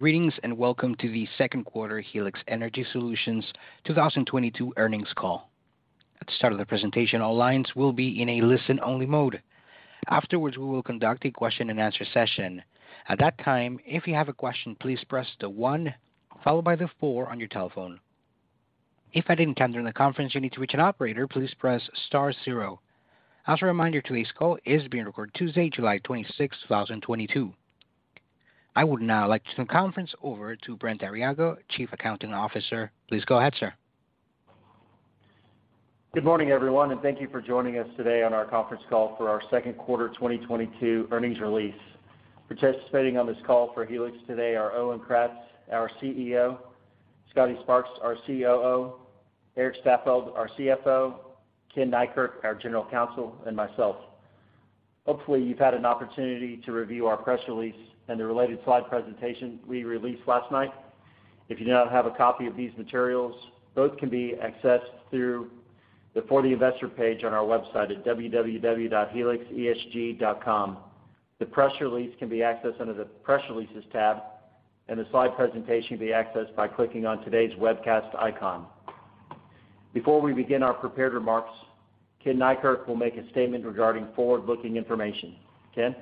Greetings, and welcome to the second quarter Helix Energy Solutions 2022 earnings call. At the start of the presentation, all lines will be in a listen-only mode. Afterwards, we will conduct a question-and-answer session. At that time, if you have a question, please press the one followed by the four on your telephone. If at any time during the conference you need to reach an operator, please press star zero. As a reminder, today's call is being recorded Tuesday, July 26, 2022. I would now like to turn the conference over to Brent Arriaga, Chief Accounting Officer. Please go ahead, sir. Good morning, everyone, and thank you for joining us today on our conference call for our second quarter 2022 earnings release. Participating on this call for Helix today are Owen Kratz, our CEO; Scotty Sparks, our COO; Erik Staffeldt, our CFO; Ken Neikirk, our General Counsel; and myself. Hopefully, you've had an opportunity to review our press release and the related slide presentation we released last night. If you do not have a copy of these materials, both can be accessed through the For the Investor page on our website at www.helixesg.com. The press release can be accessed under the Press Releases tab, and the slide presentation can be accessed by clicking on today's webcast icon. Before we begin our prepared remarks, Ken Neikirk will make a statement regarding forward-looking information. Ken?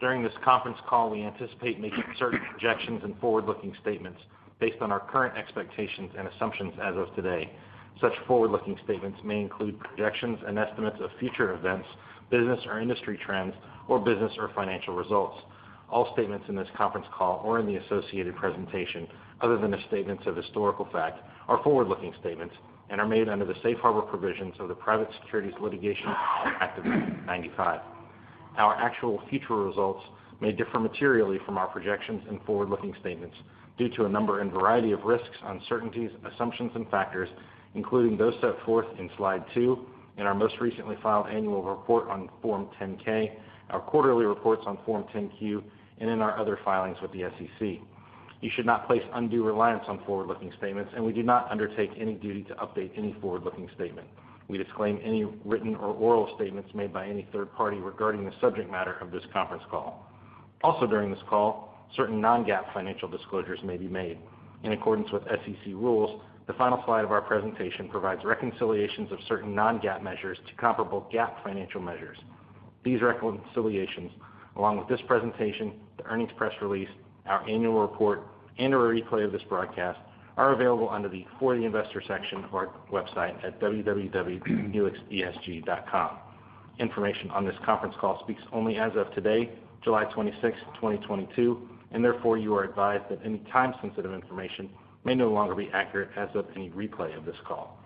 During this conference call, we anticipate making certain projections and forward-looking statements based on our current expectations and assumptions as of today. Such forward-looking statements may include projections and estimates of future events, business or industry trends, or business or financial results. All statements in this conference call or in the associated presentation, other than the statements of historical fact, are forward-looking statements and are made under the safe harbor provisions of the Private Securities Litigation Reform Act of 1995. Our actual future results may differ materially from our projections and forward-looking statements due to a number and variety of risks, uncertainties, assumptions, and factors, including those set forth in slide 2 in our most recently filed annual report on Form 10-K, our quarterly reports on Form 10-Q, and in our other filings with the SEC. You should not place undue reliance on forward-looking statements, and we do not undertake any duty to update any forward-looking statement. We disclaim any written or oral statements made by any third party regarding the subject matter of this conference call. Also, during this call, certain non-GAAP financial disclosures may be made. In accordance with SEC rules, the final slide of our presentation provides reconciliations of certain non-GAAP measures to comparable GAAP financial measures. These reconciliations, along with this presentation, the earnings press release, our annual report, and/or a replay of this broadcast, are available under the For the Investor section of our website at www.helixesg.com. Information on this conference call speaks only as of today, July 26th, 2022, and therefore you are advised that any time-sensitive information may no longer be accurate as of any replay of this call.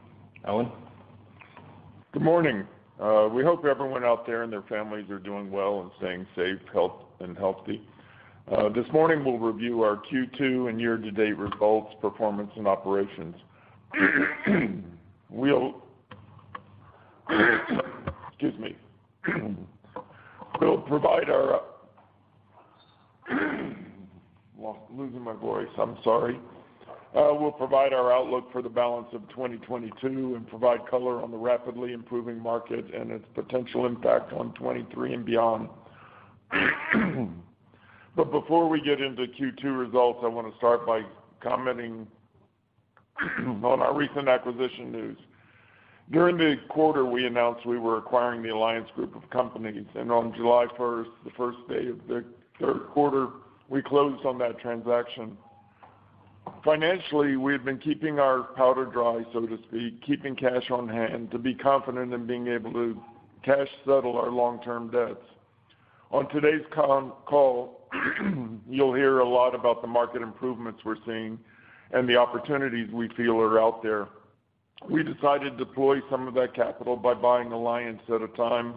Owen? Good morning. We hope everyone out there and their families are doing well and staying safe and healthy. This morning we'll review our Q2 and year-to-date results, performance, and operations. We'll provide our outlook for the balance of 2022 and provide color on the rapidly improving market and its potential impact on 2023 and beyond. Before we get into Q2 results, I wanna start by commenting on our recent acquisition news. During the quarter, we announced we were acquiring the Alliance group of companies, and on July first, the first day of the third quarter, we closed on that transaction. Financially, we have been keeping our powder dry, so to speak, keeping cash on hand to be confident in being able to cash settle our long-term debts. On today's conference call, you'll hear a lot about the market improvements we're seeing and the opportunities we feel are out there. We decided to deploy some of that capital by buying Alliance at a time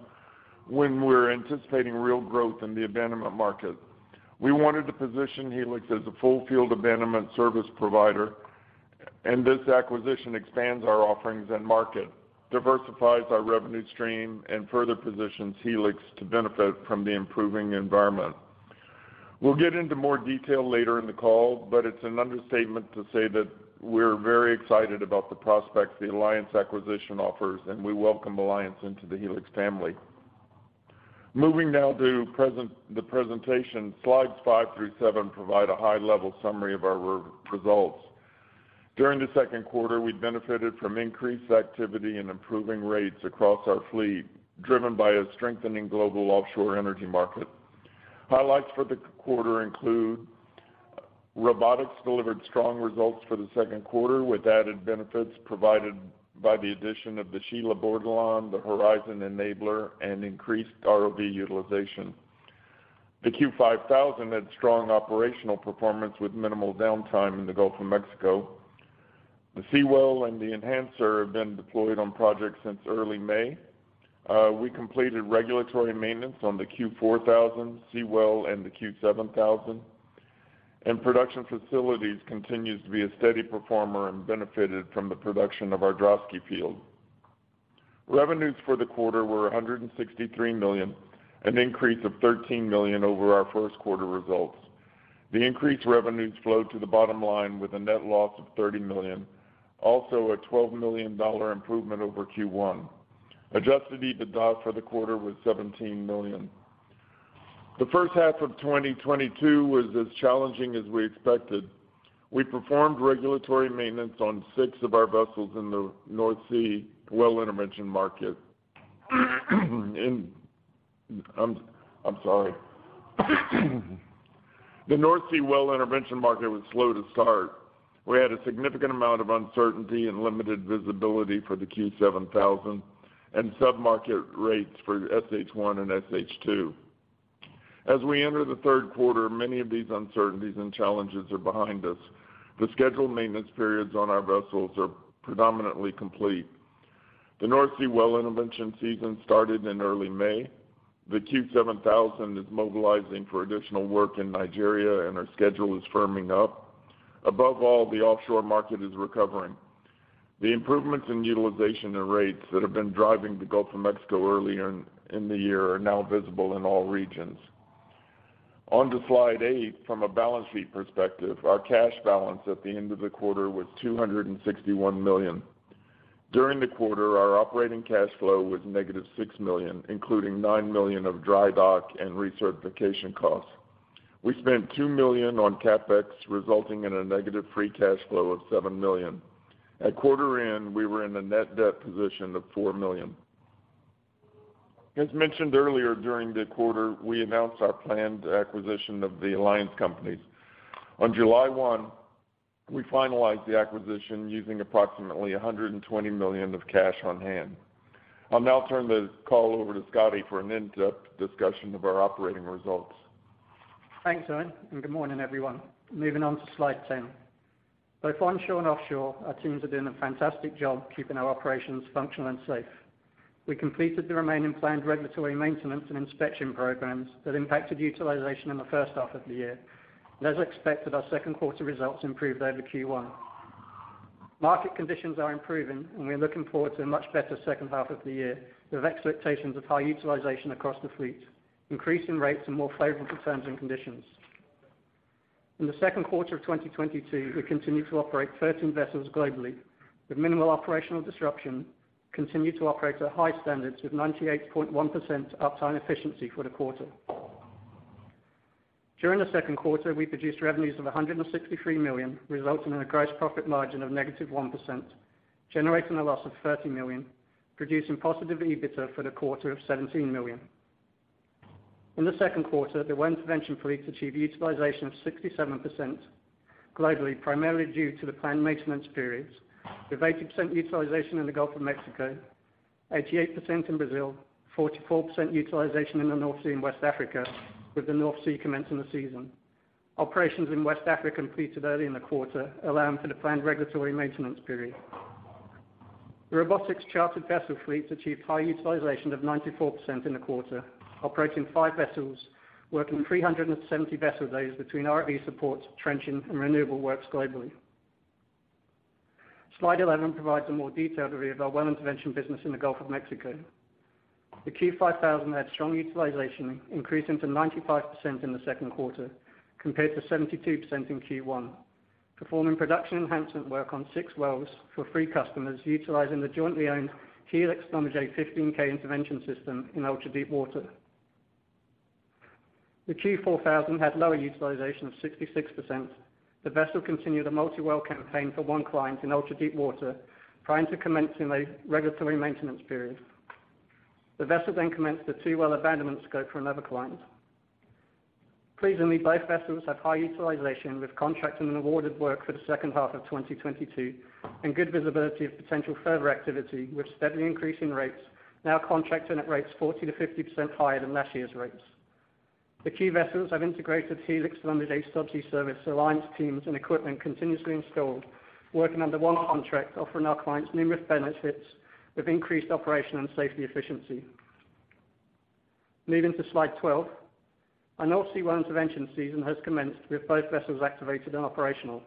when we're anticipating real growth in the abandonment market. We wanted to position Helix as a full field abandonment service provider, and this acquisition expands our offerings and market, diversifies our revenue stream, and further positions Helix to benefit from the improving environment. We'll get into more detail later in the call, but it's an understatement to say that we're very excited about the prospects the Alliance acquisition offers, and we welcome Alliance into the Helix family. Moving now to the presentation. Slides 5 through 7 provide a high-level summary of our results. During the second quarter, we benefited from increased activity and improving rates across our fleet, driven by a strengthening global offshore energy market. Highlights for the quarter include Robotics delivered strong results for the second quarter, with added benefits provided by the addition of the Shelia Bordelon, the Horizon Enabler, and increased ROV utilization. The Q5000 had strong operational performance with minimal downtime in the Gulf of Mexico. The Seawell and the Well Enhancer have been deployed on projects since early May. We completed regulatory maintenance on the Q4000, Seawell, and the Q7000. Production Facilities continues to be a steady performer and benefited from the production of our Droshky field. Revenues for the quarter were $163 million, an increase of $13 million over our first quarter results. The increased revenues flowed to the bottom line with a net loss of $30 million, also a $12 million improvement over Q1. Adjusted EBITDA for the quarter was $17 million. The first half of 2022 was as challenging as we expected. We performed regulatory maintenance on six of our vessels in the North Sea well intervention market. The North Sea well intervention market was slow to start. We had a significant amount of uncertainty and limited visibility for the Q7000 and submarket rates for SH1 and SH2. As we enter the third quarter, many of these uncertainties and challenges are behind us. The scheduled maintenance periods on our vessels are predominantly complete. The North Sea well intervention season started in early May. The Q7000 is mobilizing for additional work in Nigeria, and our schedule is firming up. Above all, the offshore market is recovering. The improvements in utilization and rates that have been driving the Gulf of Mexico early in the year are now visible in all regions. On to Slide 8, from a balance sheet perspective, our cash balance at the end of the quarter was $261 million. During the quarter, our operating cash flow was -$6 million, including $9 million of dry dock and recertification costs. We spent $2 million on CapEx, resulting in a negative free cash flow of $7 million. At quarter end, we were in a net debt position of $4 million. As mentioned earlier, during the quarter, we announced our planned acquisition of the Alliance group of companies. On July 1, we finalized the acquisition using approximately $120 million of cash on hand. I'll now turn the call over to Scotty for an in-depth discussion of our operating results. Thanks, Owen, and good morning, everyone. Moving on to Slide 10. Both onshore and offshore, our teams are doing a fantastic job keeping our operations functional and safe. We completed the remaining planned regulatory maintenance and inspection programs that impacted utilization in the first half of the year. As expected, our second quarter results improved over Q1. Market conditions are improving, and we're looking forward to a much better second half of the year with expectations of high utilization across the fleet, increasing rates and more favorable terms and conditions. In the second quarter of 2022, we continued to operate 13 vessels globally with minimal operational disruption, continued to operate at high standards with 98.1% uptime efficiency for the quarter. During the second quarter, we produced revenues of $163 million, resulting in a gross profit margin of -1%, generating a loss of $30 million, producing positive EBITDA for the quarter of $17 million. In the second quarter, the Well Intervention Fleet achieved utilization of 67% globally, primarily due to the planned maintenance periods, with 80% utilization in the Gulf of Mexico, 88% in Brazil, 44% utilization in the North Sea and West Africa, with the North Sea commencing the season. Operations in West Africa completed early in the quarter, allowing for the planned regulatory maintenance period. The Robotics Chartered Vessel Fleet achieved high utilization of 94% in the quarter, operating five vessels, working 370 vessel days between ROV support, trenching, and renewable works globally. Slide 11 provides a more detailed review of our Well Intervention business in the Gulf of Mexico. The Q5000 had strong utilization, increasing to 95% in the second quarter compared to 72% in Q1, performing production enhancement work on six wells for three customers utilizing the jointly owned Helix 15K Intervention Riser System in ultra-deep water. The Q4000 had lower utilization of 66%. The vessel continued a multi-well campaign for one client in ultra-deep water prior to commencing a regulatory maintenance period. The vessel then commenced a 2-well abandonment scope for another client. Pleasingly, both vessels have high utilization with contract and awarded work for the second half of 2022, and good visibility of potential further activity with steadily increasing rates now contracting at rates 40% to 50% higher than last year's rates. The key vessels have integrated Helix Subsea Services Alliance teams and equipment continuously installed, working under one contract, offering our clients numerous benefits with increased operation and safety efficiency. Moving to Slide 12. Our North Sea Well Intervention season has commenced with both vessels activated and operational.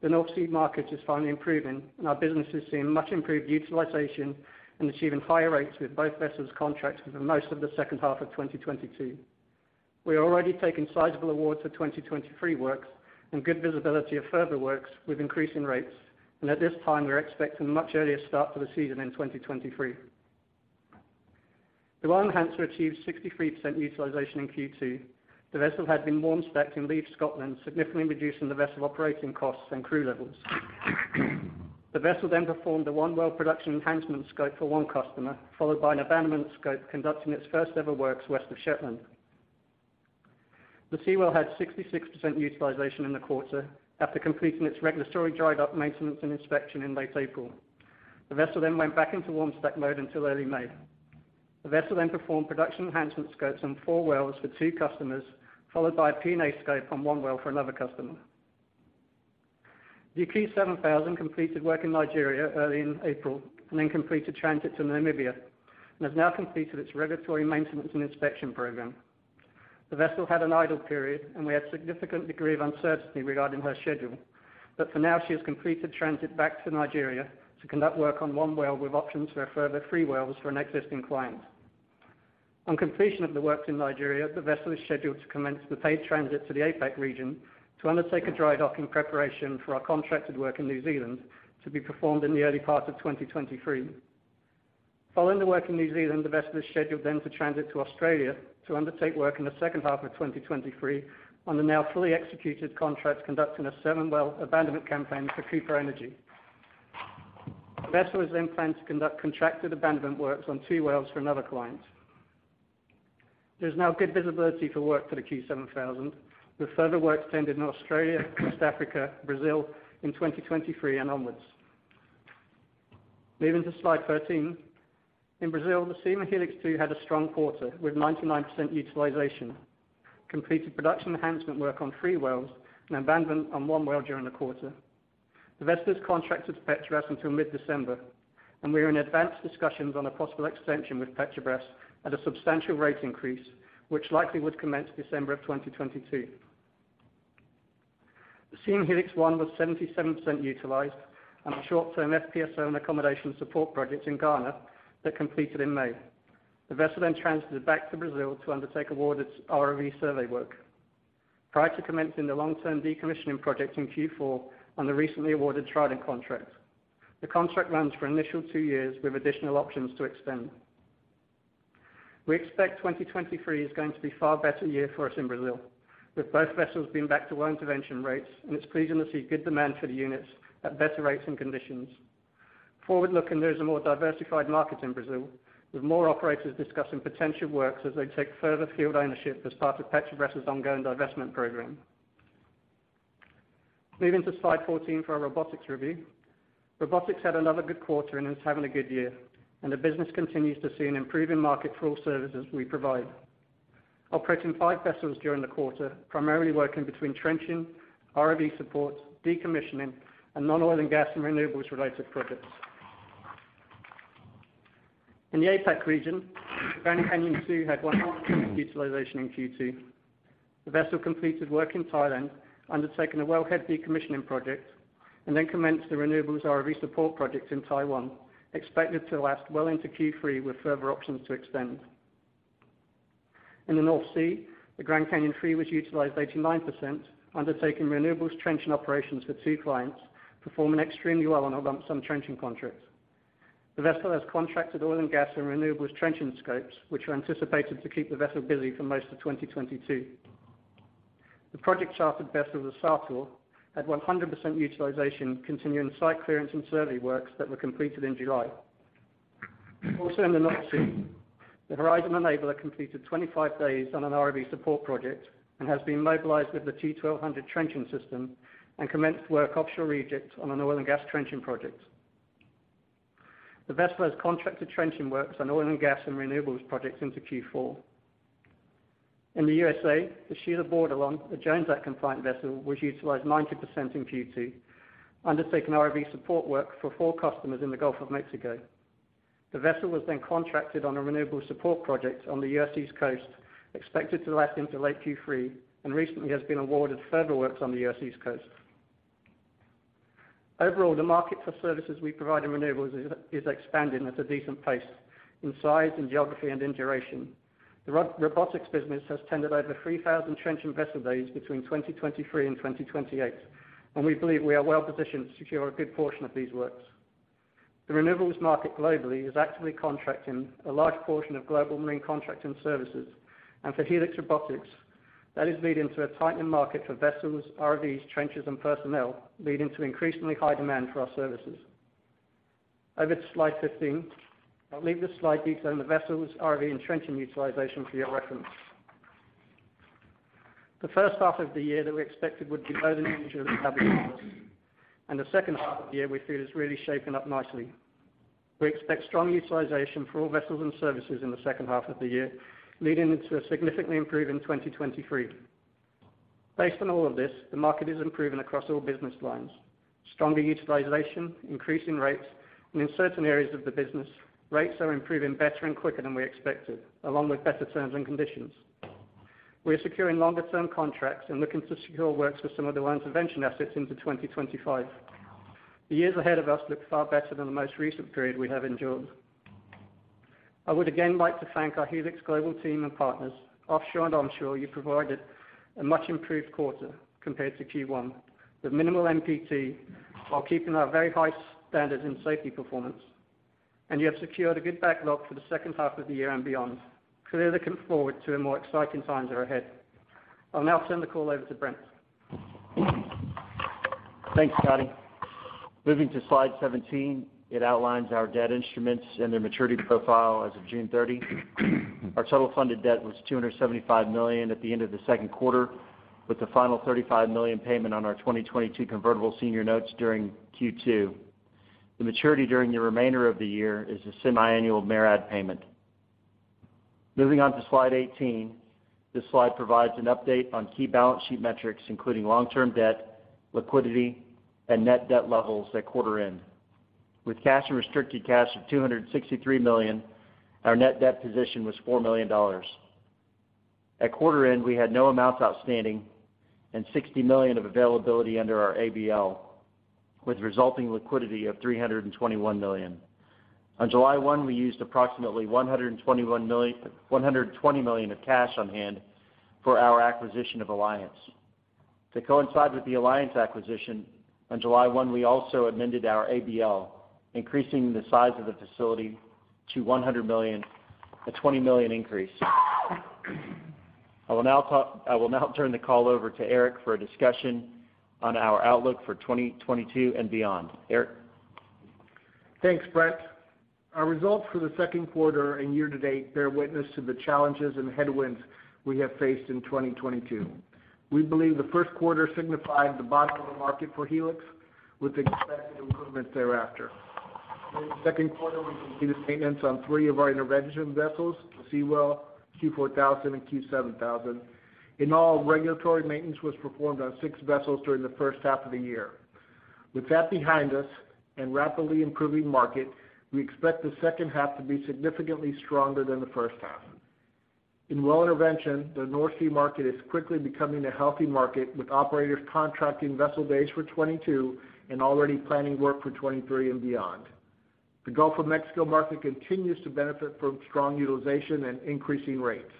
The North Sea market is finally improving, and our business is seeing much improved utilization and achieving higher rates, with both vessels contracted for most of the second half of 2022. We are already taking sizable awards for 2023 works and good visibility of further works with increasing rates. At this time, we're expecting a much earlier start to the season in 2023. The Well Enhancer achieved 63% utilization in Q2. The vessel had been warm stacked in Leith, Scotland, significantly reducing the vessel operating costs and crew levels. The vessel performed a 1-well production enhancement scope for one customer, followed by an abandonment scope conducting its first ever works west of Shetland. The Seawell had 66% utilization in the quarter after completing its regulatory dry dock maintenance and inspection in late April. The vessel went back into warm stack mode until early May. The vessel then performed production enhancement scopes on four wells for two customers, followed by a P&A scope on one well for another customer. The Q7000 completed work in Nigeria early in April and then completed transit to Namibia and has now completed its regulatory maintenance and inspection program. The vessel had an idle period, and we had significant degree of uncertainty regarding her schedule, but for now she has completed transit back to Nigeria to conduct work on one well with options for a further three wells for an existing client. On completion of the works in Nigeria, the vessel is scheduled to commence the paid transit to the APAC region to undertake a dry dock in preparation for our contracted work in New Zealand to be performed in the early part of 2023. Following the work in New Zealand, the vessel is scheduled then to transit to Australia to undertake work in the second half of 2023 on the now fully executed contracts conducting a 7-well abandonment campaign for Cooper Energy. The vessel is then planned to conduct contracted abandonment works on two wells for another client. There's now good visibility for work for the Q7000, with further work tendered in Australia, West Africa, Brazil in 2023 and onwards. Moving to slide 13. In Brazil, the Siem Helix 2 had a strong quarter, with 99% utilization, completed production enhancement work on three wells, and abandonment on one well during the quarter. The vessel is contracted to Petrobras until mid-December, and we are in advanced discussions on a possible extension with Petrobras at a substantial rate increase, which likely would commence December of 2022. The Siem Helix 1 was 77% utilized on a short-term FPSO and accommodation support project in Ghana that completed in May. The vessel then transited back to Brazil to undertake awarded ROV survey work. Prior to commencing the long-term decommissioning project in Q4 on the recently awarded Trident contract. The contract runs for initial two years with additional options to extend. We expect 2023 is going to be far better year for us in Brazil, with both vessels being back to well intervention rates, and it's pleasing to see good demand for the units at better rates and conditions. Forward-looking, there is a more diversified market in Brazil, with more operators discussing potential works as they take further field ownership as part of Petrobras' ongoing divestment program. Moving to slide 14 for our robotics review. Robotics had another good quarter and is having a good year, and the business continues to see an improving market for all services we provide. Operating five vessels during the quarter, primarily working between trenching, ROV support, decommissioning, and non-oil and gas and renewables-related projects. In the APAC region, Grand Canyon II had 100% utilization in Q2. The vessel completed work in Thailand, undertaking a wellhead decommissioning project, and then commenced a renewables ROV support project in Taiwan, expected to last well into Q3 with further options to extend. In the North Sea, the Grand Canyon III was utilized 89%, undertaking renewables trenching operations for two clients, performing extremely well on a lump sum trenching contract. The vessel has contracted oil and gas and renewables trenching scopes, which are anticipated to keep the vessel busy for most of 2022. The project-chartered vessel, the Sartor, had 100% utilization, continuing site clearance and survey works that were completed in July. Also in the North Sea, the Horizon Enabler completed 25 days on an ROV support project and has been mobilized with the T-1200 trenching system and commenced work offshore Egypt on an oil and gas trenching project. The vessel has contracted trenching works on oil and gas and renewables projects into Q4. In the U.S.A., the Shelia Bordelon, a Jones Act-compliant vessel, was utilized 90% in Q2, undertaking ROV support work for four customers in the Gulf of Mexico. The vessel was then contracted on a renewable support project on the U.S. East Coast, expected to last into late Q3, and recently has been awarded further works on the U.S. East Coast. Overall, the market for services we provide in renewables is expanding at a decent pace in size, in geography, and in duration. The robotics business has tendered over 3,000 trenching vessel days between 2023 and 2028, and we believe we are well positioned to secure a good portion of these works. The renewables market globally is actively contracting a large portion of global marine contracting services, and for Helix Robotics, that is leading to a tightening market for vessels, ROVs, trenchers, and personnel, leading to increasingly high demand for our services. Over to slide 15. I'll leave this slide detailing the vessels, ROV, and trenching utilization for your reference. The first half of the year that we expected would be lower than usual has happened to us, and the second half of the year we feel is really shaping up nicely. We expect strong utilization for all vessels and services in the second half of the year, leading into a significantly improving 2023. Based on all of this, the market is improving across all business lines. Stronger utilization, increasing rates, and in certain areas of the business, rates are improving better and quicker than we expected, along with better terms and conditions. We are securing longer-term contracts and looking to secure works for some of the well intervention assets into 2025. The years ahead of us look far better than the most recent period we have endured. I would again like to thank our Helix global team and partners. Offshore and onshore, you provided a much improved quarter compared to Q1, with minimal NPT while keeping our very high standards in safety performance, and you have secured a good backlog for the second half of the year and beyond, clearly looking forward to the more exciting times that are ahead. I'll now turn the call over to Brent. Thanks, Scotty. Moving to slide 17, it outlines our debt instruments and their maturity profile as of June 30. Our total funded debt was $275 million at the end of the second quarter, with the final $35 million payment on our 2022 convertible senior notes during Q2. The maturity during the remainder of the year is a semiannual MARAD payment. Moving on to slide 18. This slide provides an update on key balance sheet metrics, including long-term debt, liquidity, and net debt levels at quarter end. With cash and restricted cash of $263 million, our net debt position was $4 million. At quarter end, we had no amounts outstanding and $60 million of availability under our ABL, with resulting liquidity of $321 million. On July 1, we used approximately $120 million of cash on hand for our acquisition of Alliance. To coincide with the Alliance acquisition, on July 1, we also amended our ABL, increasing the size of the facility to $100 million, a $20 million increase. I will now turn the call over to Erik for a discussion on our outlook for 2022 and beyond. Erik? Thanks, Brent. Our results for the second quarter and year-to-date bear witness to the challenges and headwinds we have faced in 2022. We believe the first quarter signified the bottom of the market for Helix, with expected improvement thereafter. During the second quarter, we completed maintenance on three of our intervention vessels, the Seawell, Q4000, and Q7000. In all, regulatory maintenance was performed on six vessels during the first half of the year. With that behind us and rapidly improving market, we expect the second half to be significantly stronger than the first half. In Well Intervention, the North Sea market is quickly becoming a healthy market, with operators contracting vessel days for 2022 and already planning work for 2023 and beyond. The Gulf of Mexico market continues to benefit from strong utilization and increasing rates.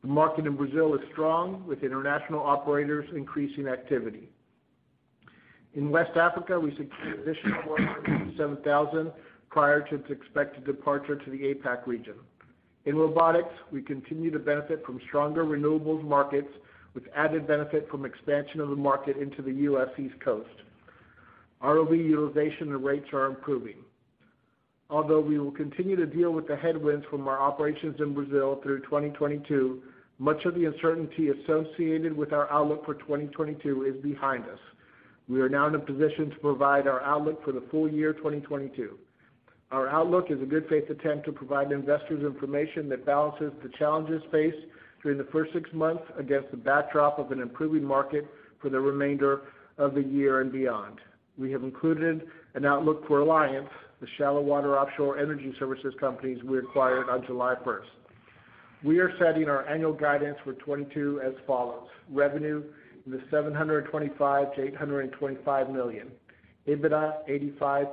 The market in Brazil is strong, with international operators increasing activity. In West Africa, we secured additional work for Q7000 prior to its expected departure to the APAC region. In robotics, we continue to benefit from stronger renewables markets, with added benefit from expansion of the market into the U.S. East Coast. ROV utilization and rates are improving. Although we will continue to deal with the headwinds from our operations in Brazil through 2022, much of the uncertainty associated with our outlook for 2022 is behind us. We are now in a position to provide our outlook for the full year 2022. Our outlook is a good-faith attempt to provide investors information that balances the challenges faced during the first six months against the backdrop of an improving market for the remainder of the year and beyond. We have included an outlook for Alliance, the shallow water offshore energy services company we acquired on July 1st. We are setting our annual guidance for 2022 as follows: revenue in the $725 million to $825 million, EBITDA $85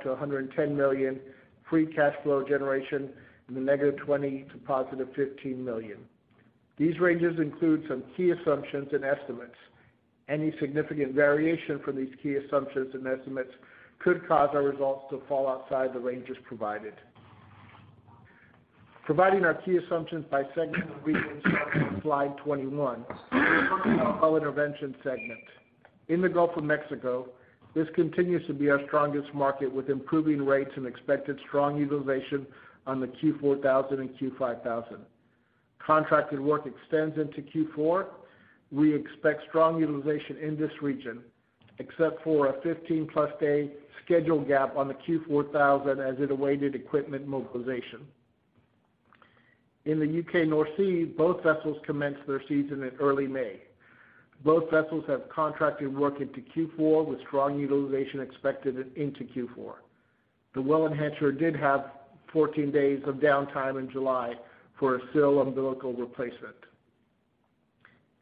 million to $110 million, free cash flow generation in the -$20 million to +$15 million. These ranges include some key assumptions and estimates. Any significant variation from these key assumptions and estimates could cause our results to fall outside the ranges provided. Providing our key assumptions by segment, we begin on slide 21 with our Well Intervention segment. In the Gulf of Mexico, this continues to be our strongest market, with improving rates and expected strong utilization on the Q4000 and Q5000. Contracted work extends into Q4. We expect strong utilization in this region, except for a 15+ day schedule gap on the Q4000 as it awaited equipment mobilization. In the U.K. North Sea, both vessels commenced their season in early May. Both vessels have contracted work into Q4, with strong utilization expected into Q4. The Well Enhancer did have 14 days of downtime in July for a seal umbilical replacement.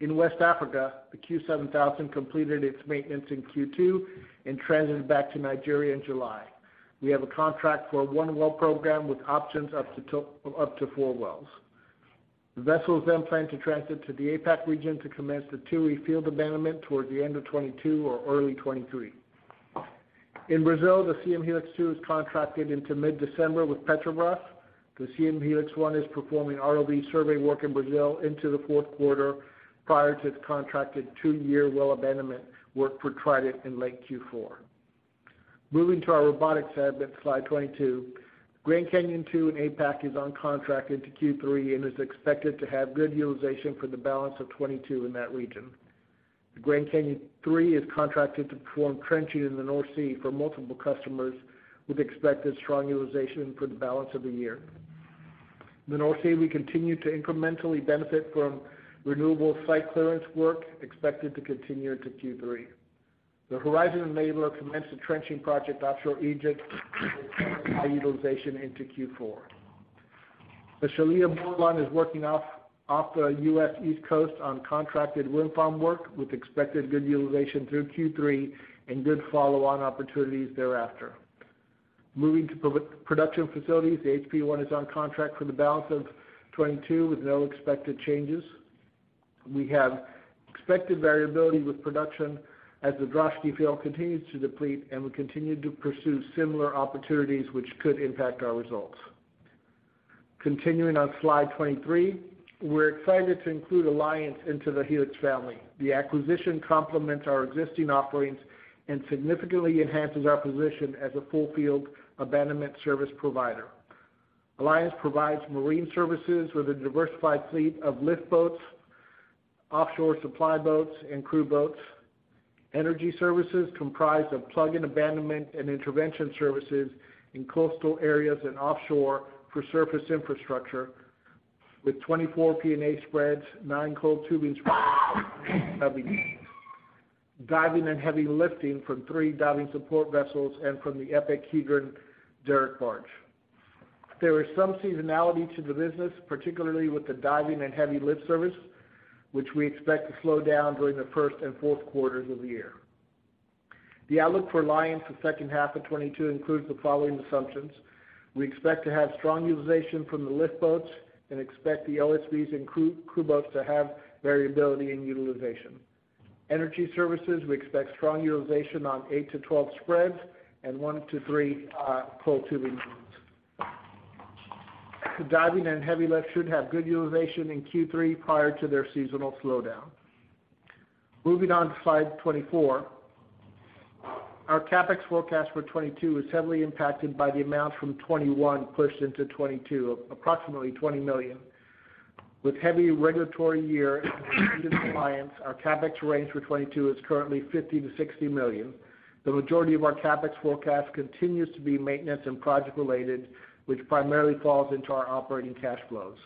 In West Africa, the Q7000 completed its maintenance in Q2 and transited back to Nigeria in July. We have a contract for one well program with options up to four wells. The vessel is then planned to transit to the APAC region to commence the Tui field abandonment toward the end of 2022 or early 2023. In Brazil, the Siem Helix 2 is contracted into mid-December with Petrobras. The Siem Helix 1 is performing ROV survey work in Brazil into the fourth quarter prior to its contracted 2-year well abandonment work for Trident in late Q4. Moving to our robotics segment, slide 22. Grand Canyon II in APAC is on contract into Q3 and is expected to have good utilization for the balance of 2022 in that region. The Grand Canyon III is contracted to perform trenching in the North Sea for multiple customers with expected strong utilization for the balance of the year. In the North Sea, we continue to incrementally benefit from renewable site clearance work expected to continue into Q3. The Horizon Enabler commenced a trenching project offshore Egypt with high utilization into Q4. The Shelia Bordelon is working off the U.S. East Coast on contracted wind farm work, with expected good utilization through Q3 and good follow-on opportunities thereafter. Moving to Production Facilities, the HP1 is on contract for the balance of 2022 with no expected changes. We have expected variability with production as the Droshky field continues to deplete, and we continue to pursue similar opportunities which could impact our results. Continuing on slide 23, we're excited to include Alliance into the Helix family. The acquisition complements our existing offerings and significantly enhances our position as a full field abandonment service provider. Alliance provides marine services with a diversified fleet of lift boats, offshore supply boats, and crew boats. Energy services comprised of plug and abandonment and intervention services in coastal areas and offshore for surface infrastructure with 24 P&A spreads, nine coiled tubing spreads, and seven diving and heavy lifting from three diving support vessels and from the EPIC Hedron Derrick Barge. There is some seasonality to the business, particularly with the diving and heavy lift service, which we expect to slow down during the first and fourth quarters of the year. The outlook for Alliance the second half of 2022 includes the following assumptions. We expect to have strong utilization from the lift boats and expect the LSBs and crew boats to have variability in utilization. Energy services, we expect strong utilization on 8-12 spreads and 1-3 coiled tubing units. Diving and heavy lift should have good utilization in Q3 prior to their seasonal slowdown. Moving on to slide 24. Our CapEx forecast for 2022 is heavily impacted by the amounts from 2021 pushed into 2022, approximately $20 million. With heavy regulatory year and continued compliance, our CapEx range for 2022 is currently $50 million to $60 million. The majority of our CapEx forecast continues to be maintenance and project related, which primarily falls into our operating cash flows.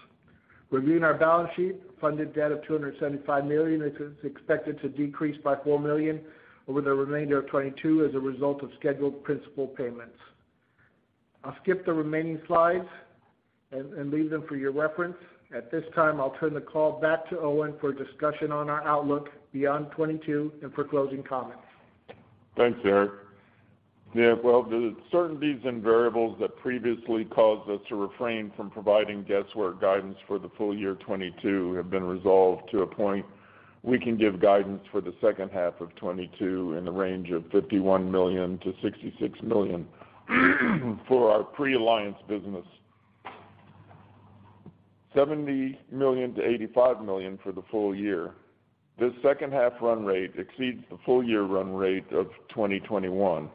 Reviewing our balance sheet, funded debt of $275 million is expected to decrease by $4 million over the remainder of 2022 as a result of scheduled principal payments. I'll skip the remaining slides and leave them for your reference. At this time, I'll turn the call back to Owen for a discussion on our outlook beyond 2022 and for closing comments. Thanks, Erik. Yeah, well, the certainties and variables that previously caused us to refrain from providing guesswork guidance for the full year 2022 have been resolved to a point we can give guidance for the second half of 2022 in the range of $51 million to $66 million for our pre-Alliance business. $70 million to $85 million for the full year. This second half run rate exceeds the full year run rate of 2021.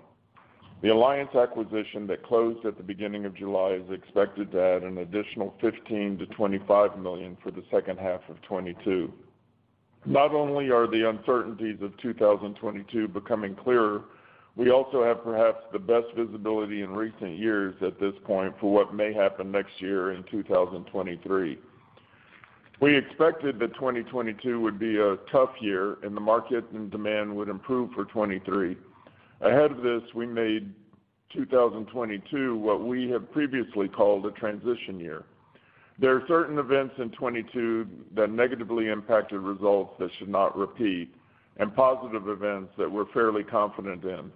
The Alliance acquisition that closed at the beginning of July is expected to add an additional $15 million to $25 million for the second half of 2022. Not only are the uncertainties of 2022 becoming clearer, we also have perhaps the best visibility in recent years at this point for what may happen next year in 2023. We expected that 2022 would be a tough year and the market and demand would improve for 2023. Ahead of this, we made 2022 what we have previously called a transition year. There are certain events in 2022 that negatively impacted results that should not repeat, and positive events that we're fairly confident in.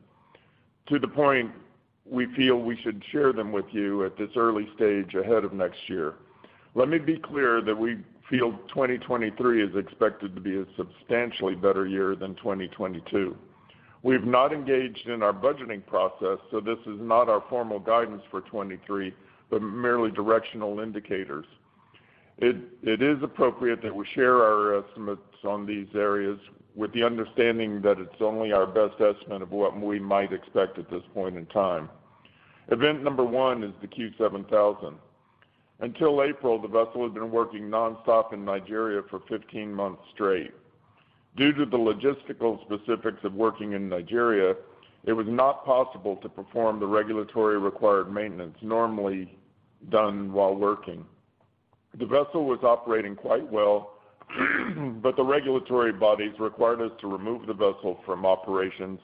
To the point we feel we should share them with you at this early stage ahead of next year. Let me be clear that we feel 2023 is expected to be a substantially better year than 2022. We've not engaged in our budgeting process, so this is not our formal guidance for 2023, but merely directional indicators. It is appropriate that we share our estimates on these areas with the understanding that it's only our best estimate of what we might expect at this point in time. Event number 1 is the Q7000. Until April, the vessel had been working nonstop in Nigeria for 15 months straight. Due to the logistical specifics of working in Nigeria, it was not possible to perform the regulatory required maintenance normally done while working. The vessel was operating quite well, but the regulatory bodies required us to remove the vessel from operations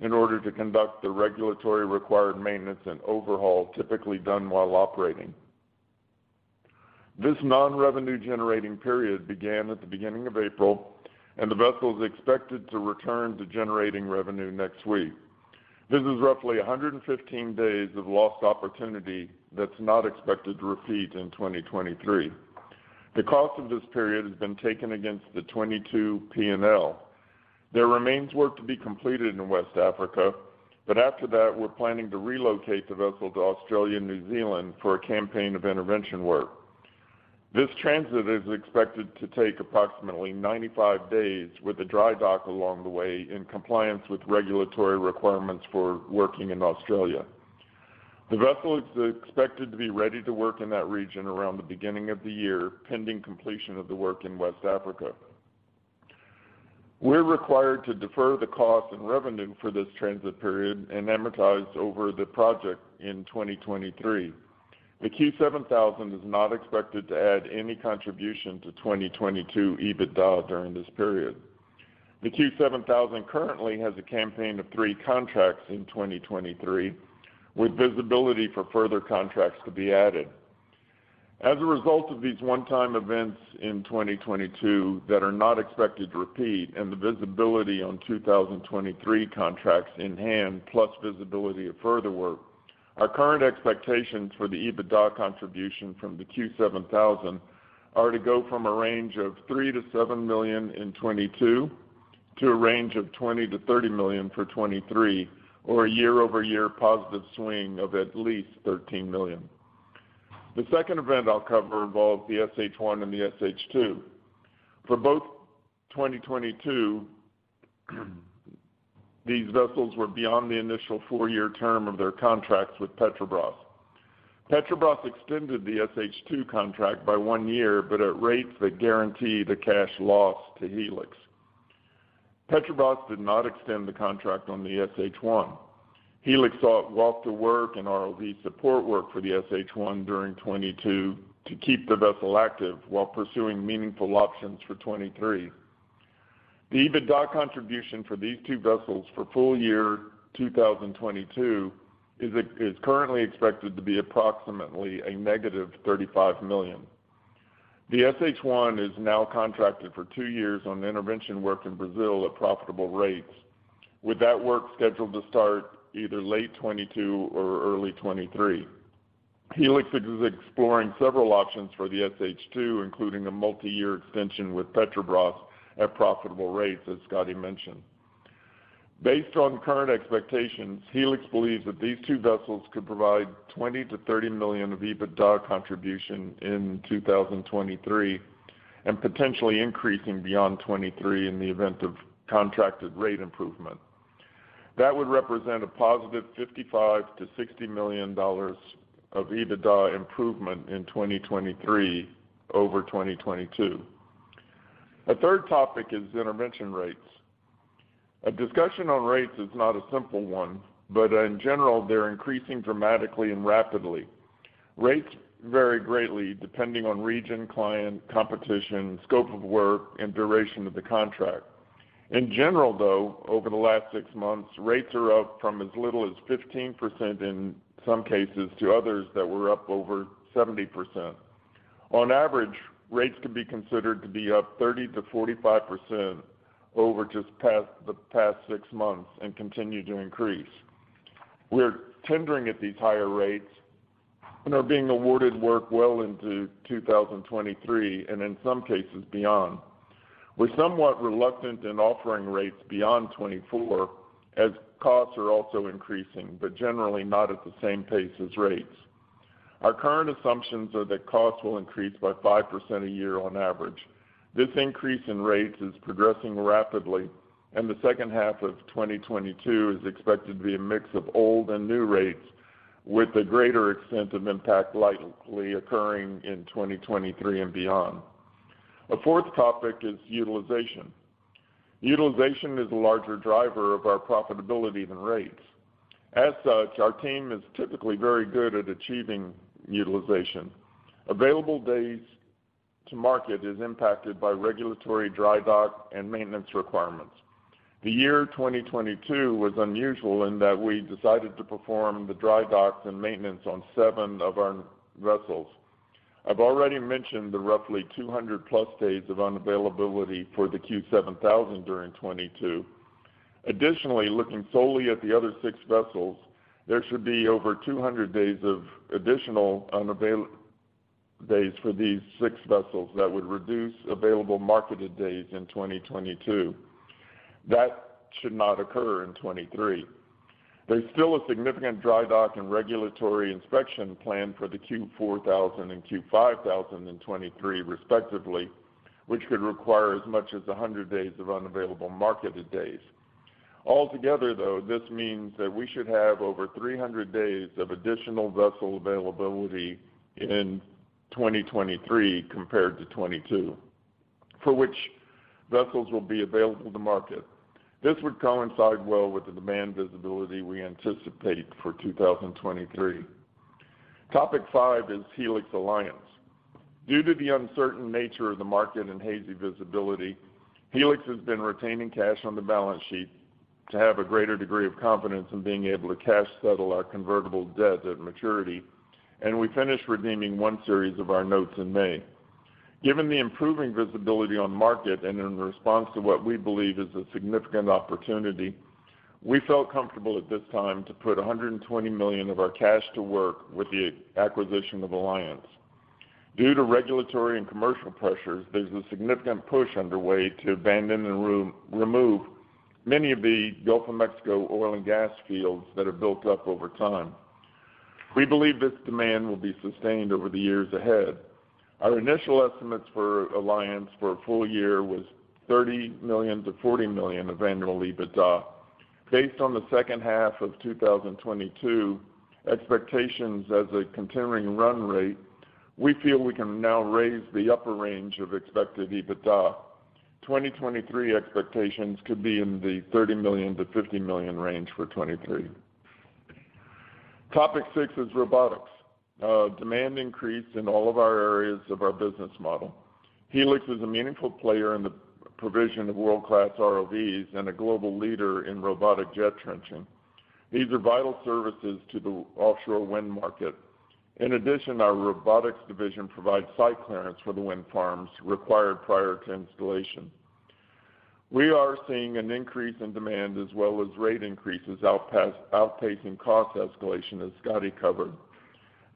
in order to conduct the regulatory required maintenance and overhaul typically done while operating. This non-revenue generating period began at the beginning of April, and the vessel is expected to return to generating revenue next week. This is roughly 115 days of lost opportunity that's not expected to repeat in 2023. The cost of this period has been taken against the 2022 P&L. There remains work to be completed in West Africa, but after that, we're planning to relocate the vessel to Australia and New Zealand for a campaign of intervention work. This transit is expected to take approximately 95 days with a dry dock along the way in compliance with regulatory requirements for working in Australia. The vessel is expected to be ready to work in that region around the beginning of the year, pending completion of the work in West Africa. We're required to defer the cost and revenue for this transit period and amortize over the project in 2023. The Q7000 is not expected to add any contribution to 2022 EBITDA during this period. The Q7000 currently has a campaign of three contracts in 2023, with visibility for further contracts to be added. As a result of these one-time events in 2022 that are not expected to repeat and the visibility on 2023 contracts in hand, plus visibility of further work, our current expectations for the EBITDA contribution from the Q7000 are to go from a range of $3 million to $7 million in 2022 to a range of $20 million to $30 million for 2023, or a year-over-year positive swing of at least $13 million. The second event I'll cover involves the SH1 and the SH2. For both 2022, these vessels were beyond the initial four-year term of their contracts with Petrobras. Petrobras extended the SH2 contract by one year, but at rates that guarantee the cash loss to Helix. Petrobras did not extend the contract on the SH1. Helix sought walk to work and ROV support work for the SH1 during 2022 to keep the vessel active while pursuing meaningful options for 2023. The EBITDA contribution for these two vessels for full year 2022 is currently expected to be approximately a -$35 million. The SH1 is now contracted for two years on intervention work in Brazil at profitable rates. With that work scheduled to start either late 2022 or early 2023. Helix is exploring several options for the SH2, including a multiyear extension with Petrobras at profitable rates, as Scotty mentioned. Based on current expectations, Helix believes that these two vessels could provide $20 million to $30 million of EBITDA contribution in 2023, and potentially increasing beyond 2023 in the event of contracted rate improvement. That would represent a positive $55 million to $60 million of EBITDA improvement in 2023 over 2022. A third topic is intervention rates. A discussion on rates is not a simple one, but in general, they're increasing dramatically and rapidly. Rates vary greatly depending on region, client, competition, scope of work, and duration of the contract. In general, though, over the last six months, rates are up from as little as 15% in some cases to others that were up over 70%. On average, rates could be considered to be up 30% to 45% over the past six months and continue to increase. We're tendering at these higher rates and are being awarded work well into 2023, and in some cases, beyond. We're somewhat reluctant in offering rates beyond 24, as costs are also increasing, but generally not at the same pace as rates. Our current assumptions are that costs will increase by 5% a year on average. This increase in rates is progressing rapidly, and the second half of 2022 is expected to be a mix of old and new rates, with a greater extent of impact likely occurring in 2023 and beyond. A fourth topic is utilization. Utilization is a larger driver of our profitability than rates. As such, our team is typically very good at achieving utilization. Available days to market is impacted by regulatory dry dock and maintenance requirements. The year 2022 was unusual in that we decided to perform the dry docks and maintenance on seven of our vessels. I've already mentioned the roughly 200+ days of unavailability for the Q7000 during 2022. Additionally, looking solely at the other six vessels, there should be over 200 days of additional unavailable days for these six vessels that would reduce available marketed days in 2022. That should not occur in 2023. There's still a significant dry dock and regulatory inspection plan for the Q4000 and Q5000 in 2023 respectively, which could require as much as 100 days of unavailable marketed days. Altogether, though, this means that we should have over 300 days of additional vessel availability in 2023 compared to 2022, for which vessels will be available to market. This would coincide well with the demand visibility we anticipate for 2023. Topic five is Helix Alliance. Due to the uncertain nature of the market and hazy visibility, Helix has been retaining cash on the balance sheet to have a greater degree of confidence in being able to cash settle our convertible debt at maturity, and we finished redeeming one series of our notes in May. Given the improving visibility on market and in response to what we believe is a significant opportunity, we felt comfortable at this time to put $120 million of our cash to work with the acquisition of Alliance. Due to regulatory and commercial pressures, there's a significant push underway to abandon and remove many of the Gulf of Mexico oil and gas fields that have built up over time. We believe this demand will be sustained over the years ahead. Our initial estimates for Alliance for a full year was $30 million to $40 million of annual EBITDA. Based on the second half of 2022 expectations as a continuing run rate, we feel we can now raise the upper range of expected EBITDA. 2023 expectations could be in the $30 million to $50 million range for 2023. Topic six is robotics. Demand increased in all of our areas of our business model. Helix is a meaningful player in the provision of world-class ROVs and a global leader in robotic jet trenching. These are vital services to the offshore wind market. In addition, our robotics division provides site clearance for the wind farms required prior to installation. We are seeing an increase in demand as well as rate increases outpacing cost escalation, as Scotty covered.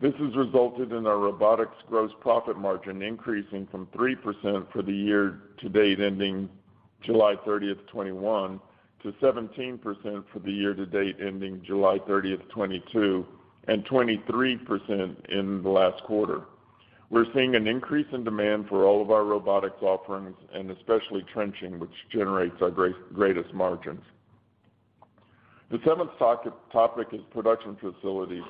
This has resulted in our robotics gross profit margin increasing from 3% for the year to date ending July 30, 2021 to 17% for the year to date ending July 30, 2022, and 23% in the last quarter. We're seeing an increase in demand for all of our robotics offerings and especially trenching, which generates our greatest margins. The seventh topic is production facilities.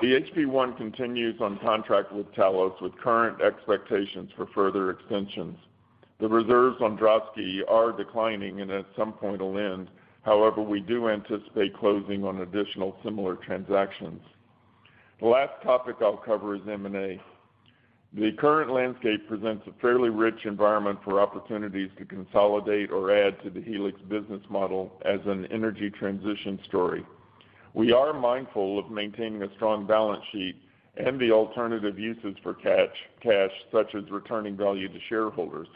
The HP1 continues on contract with Talos with current expectations for further extensions. The reserves on Droshky are declining and at some point will end. However, we do anticipate closing on additional similar transactions. The last topic I'll cover is M&A. The current landscape presents a fairly rich environment for opportunities to consolidate or add to the Helix business model as an energy transition story. We are mindful of maintaining a strong balance sheet and the alternative uses for cash, such as returning value to shareholders.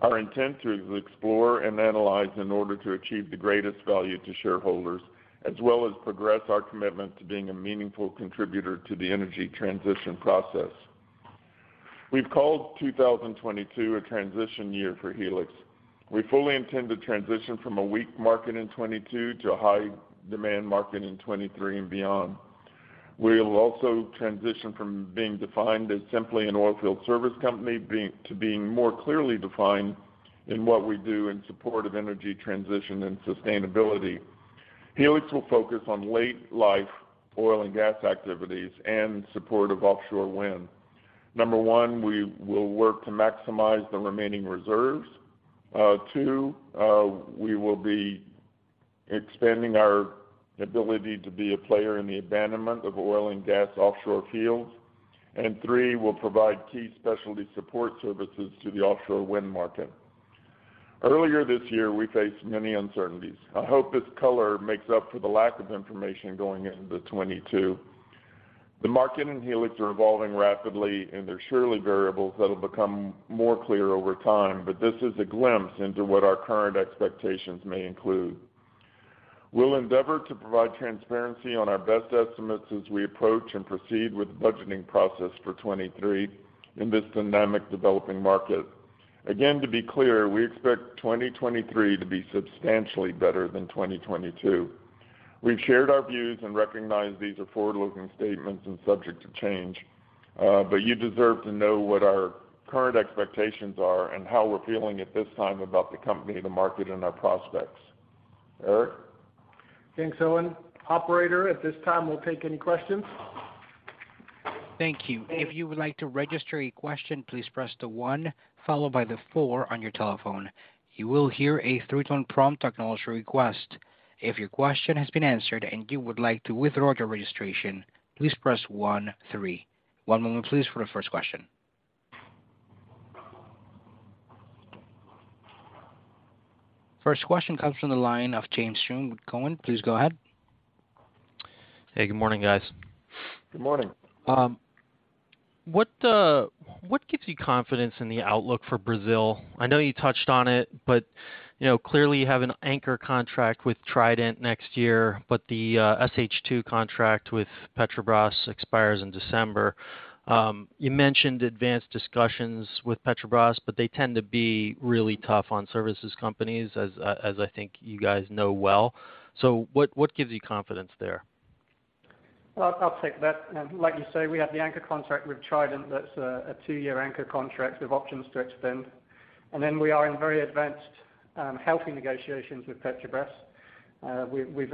Our intent is to explore and analyze in order to achieve the greatest value to shareholders, as well as progress our commitment to being a meaningful contributor to the energy transition process. We've called 2022 a transition year for Helix. We fully intend to transition from a weak market in 2022 to a high demand market in 2023 and beyond. We'll also transition from being defined as simply an oil field service company to being more clearly defined in what we do in support of energy transition and sustainability. Helix will focus on late life oil and gas activities and support of offshore wind. Number one, we will work to maximize the remaining reserves. Two, we will be expanding our ability to be a player in the abandonment of oil and gas offshore fields. Three, we'll provide key specialty support services to the offshore wind market. Earlier this year, we faced many uncertainties. I hope this color makes up for the lack of information going into 2022. The market and Helix are evolving rapidly, and there's surely variables that'll become more clear over time, but this is a glimpse into what our current expectations may include. We'll endeavor to provide transparency on our best estimates as we approach and proceed with the budgeting process for 2023 in this dynamic developing market. Again, to be clear, we expect 2023 to be substantially better than 2022. We've shared our views and recognize these are forward-looking statements and subject to change, but you deserve to know what our current expectations are and how we're feeling at this time about the company, the market, and our prospects. Erik? Thanks, Owen. Operator, at this time, we'll take any questions. Thank you. If you would like to register a question, please press the one followed by the four on your telephone. You will hear a three-tone prompt acknowledging your request. If your question has been answered and you would like to withdraw your registration, please press one, three. One moment, please, for the first question. First question comes from the line of James Schumm with Cowen. Please go ahead. Hey, good morning, guys. Good morning. What gives you confidence in the outlook for Brazil? I know you touched on it, but you know, clearly you have an anchor contract with Trident next year, but the SH2 contract with Petrobras expires in December. You mentioned advanced discussions with Petrobras, but they tend to be really tough on services companies as I think you guys know well. What gives you confidence there? I'll take that. Like you say, we have the anchor contract with Trident that's a 2-year anchor contract with options to extend. We are in very advanced healthy negotiations with Petrobras. We've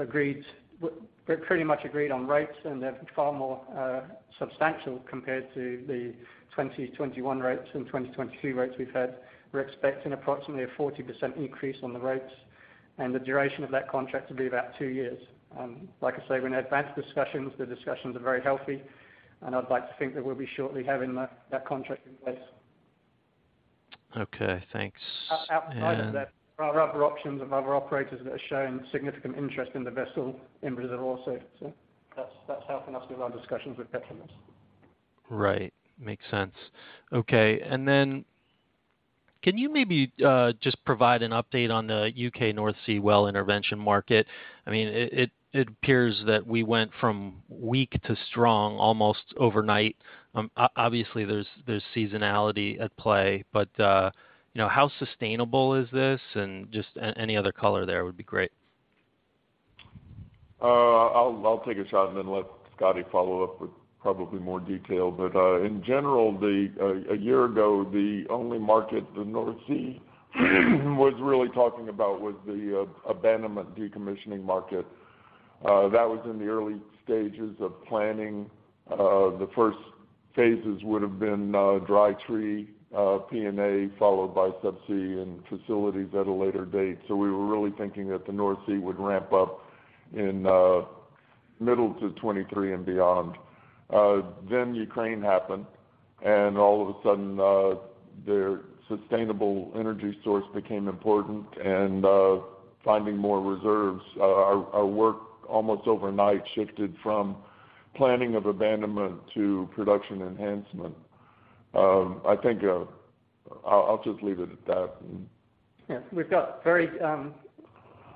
pretty much agreed on rates, and they're far more substantial compared to the 2021 rates and 2022 rates we've had. We're expecting approximately a 40% increase on the rates and the duration of that contract to be about two years. Like I say, we're in advanced discussions. The discussions are very healthy, and I'd like to think that we'll be shortly having that contract in place. Okay. Thanks. Outside of that, there are other options of other operators that are showing significant interest in the vessel in Brazil also. That's helping us with our discussions with Petrobras. Right. Makes sense. Okay. Can you maybe just provide an update on the U.K. North Sea well intervention market? I mean, it appears that we went from weak to strong almost overnight. Obviously, there's seasonality at play, but you know, how sustainable is this? Just any other color there would be great. I'll take a shot and then let Scotty follow up with probably more detail. In general, a year ago, the only market the North Sea was really talking about was the abandonment decommissioning market. That was in the early stages of planning. The first phases would have been dry tree P&A, followed by subsea and facilities at a later date. We were really thinking that the North Sea would ramp up in middle to 2023 and beyond. Then Ukraine happened, and all of a sudden, their sustainable energy source became important and finding more reserves. Our work almost overnight shifted from planning of abandonment to production enhancement. I think I'll just leave it at that. Yeah. We've got very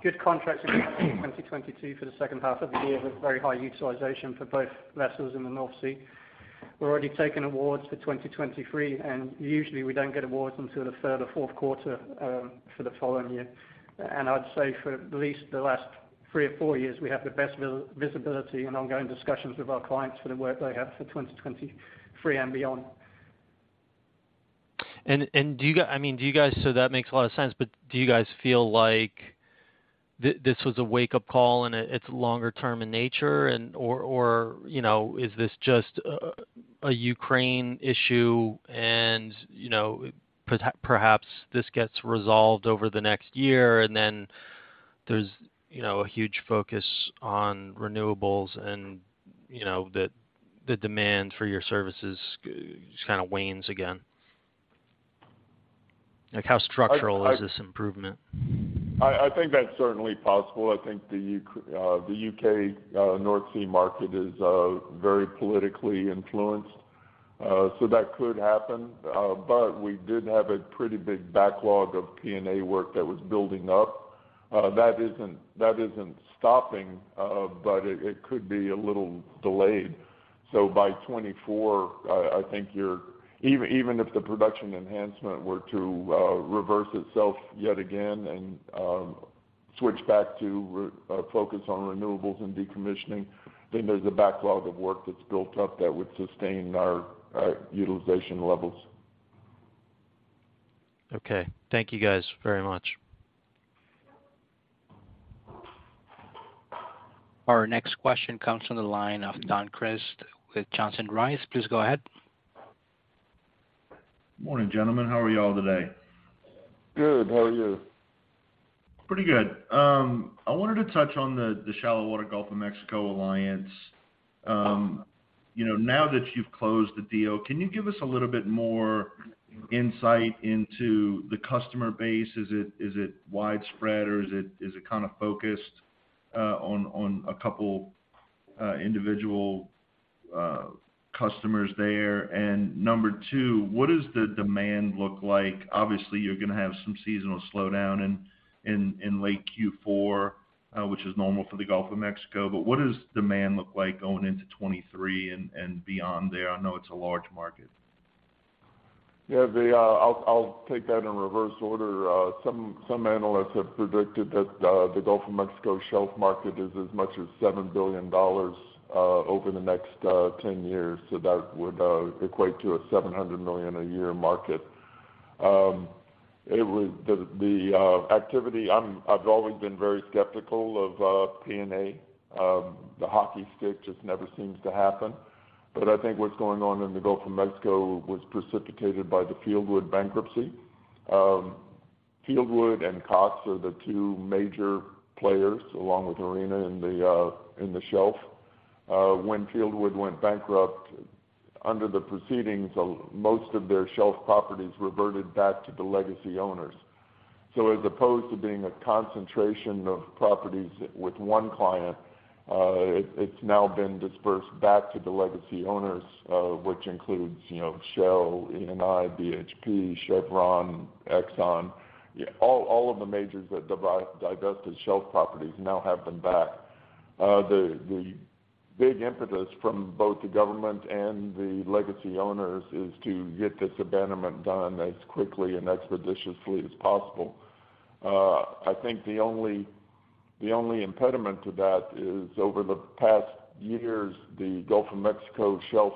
good contracts in 2022 for the second half of the year with very high utilization for both vessels in the North Sea. We're already taking awards for 2023, and usually we don't get awards until the third or fourth quarter for the following year. I'd say for at least the last three or four years, we have the best visibility and ongoing discussions with our clients for the work they have for 2023 and beyond. I mean, so that makes a lot of sense, but do you guys feel like this was a wake-up call, and it's longer-term in nature and/or, you know, is this just a Ukraine issue and, you know, perhaps this gets resolved over the next year and then there's, you know, a huge focus on renewables and, you know, the demand for your services just kinda wanes again? Like how structural is this improvement? I think that's certainly possible. I think the U.K. North Sea market is very politically influenced. That could happen. We did have a pretty big backlog of P&A work that was building up. That isn't stopping, but it could be a little delayed. By 2024, even if the production enhancement were to reverse itself yet again and switch back to focus on renewables and decommissioning, I think there's a backlog of work that's built up that would sustain our utilization levels. Okay. Thank you guys very much. Our next question comes from the line of Don Crist with Johnson Rice. Please go ahead. Morning, gentlemen. How are y'all today? Good. How are you? Pretty good. I wanted to touch on the Shallow Water Gulf of Mexico Alliance. You know, now that you've closed the deal, can you give us a little bit more insight into the customer base? Is it widespread, or is it kinda focused on a couple individual customers there? And number two, what does the demand look like? Obviously, you're gonna have some seasonal slowdown in late Q4, which is normal for the Gulf of Mexico. What does demand look like going into 2023 and beyond there? I know it's a large market. I'll take that in reverse order. Some analysts have predicted that the Gulf of Mexico Shelf market is as much as $7 billion over the next 10 years, so that would equate to a $700 million a year market. The activity, I've always been very skeptical of P&A. The hockey stick just never seems to happen. I think what's going on in the Gulf of Mexico was precipitated by the Fieldwood bankruptcy. Fieldwood and Cox are the two major players, along with Arena in the Shelf. When Fieldwood went bankrupt, under the proceedings of most of their shelf properties reverted back to the legacy owners. As opposed to being a concentration of properties with one client, it's now been dispersed back to the legacy owners, which includes, you know, Shell, Eni, BHP, Chevron, Exxon. All of the majors that divested shelf properties now have them back. The big impetus from both the government and the legacy owners is to get this abandonment done as quickly and expeditiously as possible. I think the only impediment to that is over the past years, the Gulf of Mexico shelf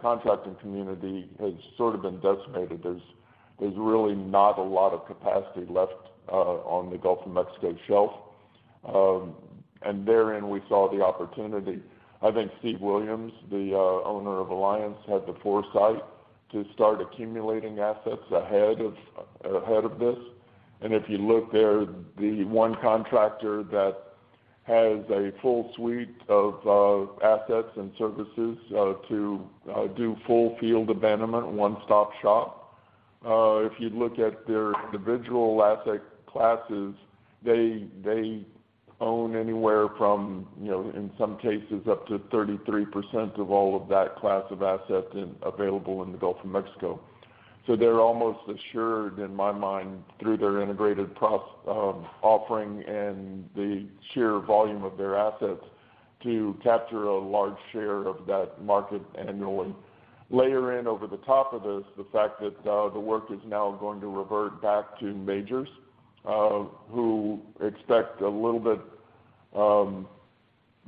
contracting community has sort of been decimated. There's really not a lot of capacity left on the Gulf of Mexico shelf. Therein we saw the opportunity. I think Steve Williams, the owner of Alliance, had the foresight to start accumulating assets ahead of this. If you look there, the one contractor that has a full suite of assets and services to do full field abandonment, one-stop-shop. If you look at their individual asset classes, they own anywhere from, you know, in some cases, up to 33% of all of that class of asset available in the Gulf of Mexico. They're almost assured, in my mind, through their integrated offering and the sheer volume of their assets to capture a large share of that market annually. Layer in over the top of this, the fact that the work is now going to revert back to majors who expect a little bit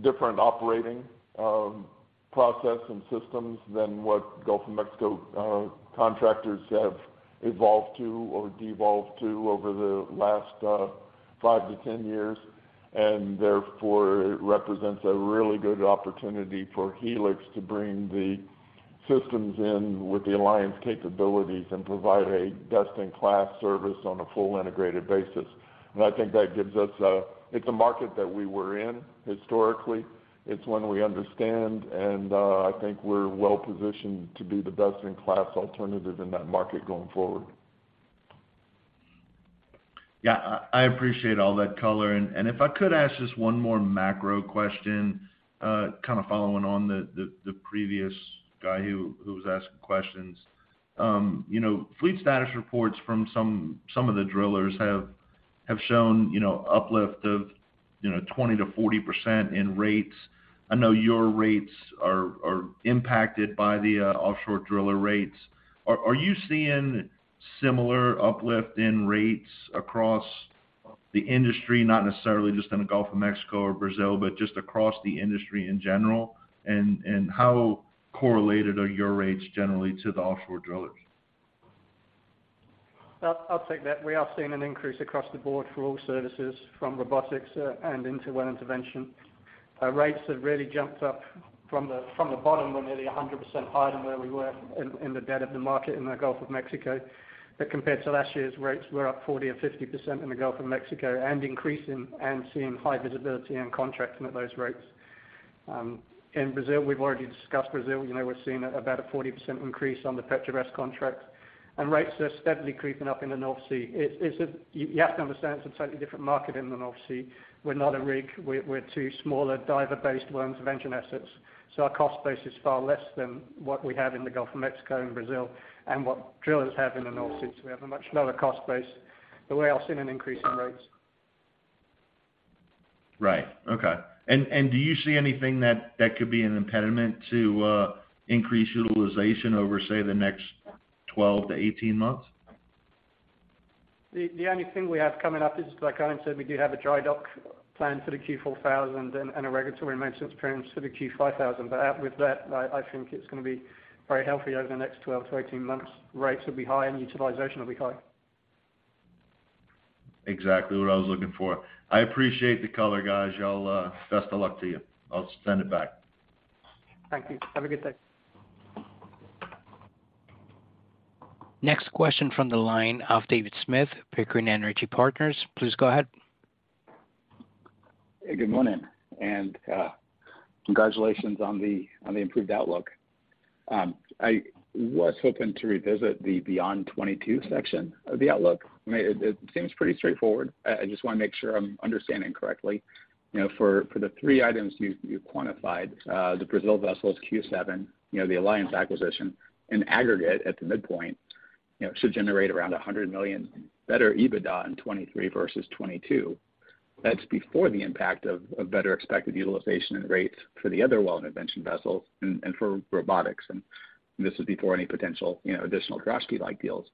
different operating process and systems than what Gulf of Mexico contractors have evolved to or devolved to over the last 5 years to 10 years. Therefore, it represents a really good opportunity for Helix to bring the systems in with the Alliance capabilities and provide a best-in-class service on a fully integrated basis. I think that gives us. It's a market that we were in historically. It's one we understand, and I think we're well positioned to be the best-in-class alternative in that market going forward. Yeah. I appreciate all that color. If I could ask just one more macro question, kind of following on the previous guy who was asking questions. You know, fleet status reports from some of the drillers have shown, you know, uplift of, you know, 20% to 40% in rates. I know your rates are impacted by the offshore driller rates. Are you seeing similar uplift in rates across The industry, not necessarily just in the Gulf of Mexico or Brazil, but just across the industry in general, and how correlated are your rates generally to the offshore drillers? Well, I'll take that. We are seeing an increase across the board for all services from robotics and into well intervention. Our rates have really jumped up from the bottom. We're nearly 100% higher than where we were in the dead of the market in the Gulf of Mexico. Compared to last year's rates, we're up 40% or 50% in the Gulf of Mexico and increasing and seeing high visibility and contracts at those rates. In Brazil, we've already discussed Brazil. You know, we're seeing about a 40% increase on the Petrobras contract, and rates are steadily creeping up in the North Sea. It's a. You have to understand it's a totally different market in the North Sea. We're not a rig. We're two smaller diver-based Well Intervention assets, so our cost base is far less than what we have in the Gulf of Mexico and Brazil and what drillers have in the North Sea, so we have a much lower cost base, but we are seeing an increase in rates. Right. Okay. Do you see anything that could be an impediment to increased utilization over, say, the next 12 months to 18 months? The only thing we have coming up is, like Owen said, we do have a dry dock planned for the Q4000 and a regulatory maintenance period for the Q5000. Out with that, I think it's gonna be very healthy over the next 12 months to 18 months. Rates will be high, and utilization will be high. Exactly what I was looking for. I appreciate the color, guys. Y'all, best of luck to you. I'll send it back. Thank you. Have a good day. Next question from the line of David Smith, Pickering Energy Partners. Please go ahead. Hey, good morning, and congratulations on the improved outlook. I was hoping to revisit the Beyond 2022 section of the outlook. I mean, it seems pretty straightforward. I just wanna make sure I'm understanding correctly. You know, for the three items you quantified, the Brazil vessels Q7000, you know, the Alliance acquisition in aggregate at the midpoint, you know, should generate around $100 million better EBITDA in 2023 versus 2022. That's before the impact of better expected utilization and rates for the other well intervention vessels and for robotics, and this is before any potential, you know, additional Droshky-like deals.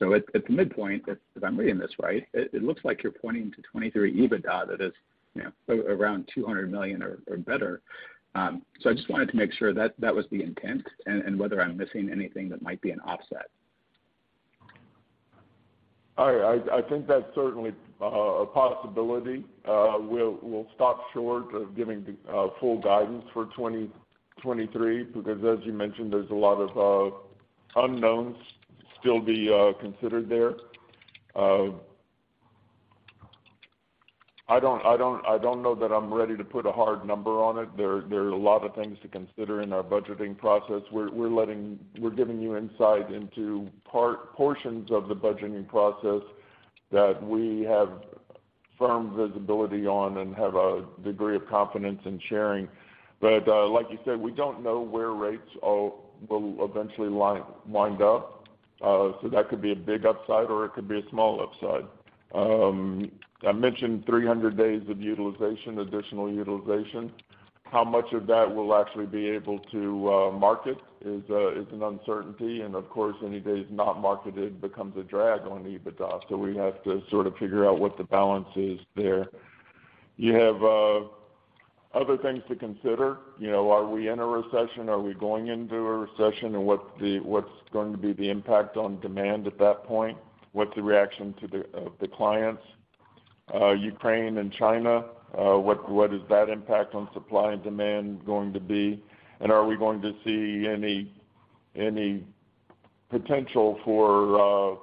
At the midpoint, if I'm reading this right, it looks like you're pointing to 2023 EBITDA that is, you know, around $200 million or better. I just wanted to make sure that was the intent and whether I'm missing anything that might be an offset. I think that's certainly a possibility. We'll stop short of giving the full guidance for 2023 because as you mentioned, there's a lot of unknowns still to be considered there. I don't know that I'm ready to put a hard number on it. There are a lot of things to consider in our budgeting process. We're giving you insight into portions of the budgeting process that we have firm visibility on and have a degree of confidence in sharing. Like you said, we don't know where rates will eventually line up. So that could be a big upside or it could be a small upside. I mentioned 300 days of utilization, additional utilization. How much of that we'll actually be able to market is an uncertainty. Of course, any days not marketed becomes a drag on EBITDA, so we have to sort of figure out what the balance is there. You have other things to consider. You know, are we in a recession? Are we going into a recession? What's going to be the impact on demand at that point? What's the reaction to the clients? Ukraine and China, what is that impact on supply and demand going to be? Are we going to see any potential for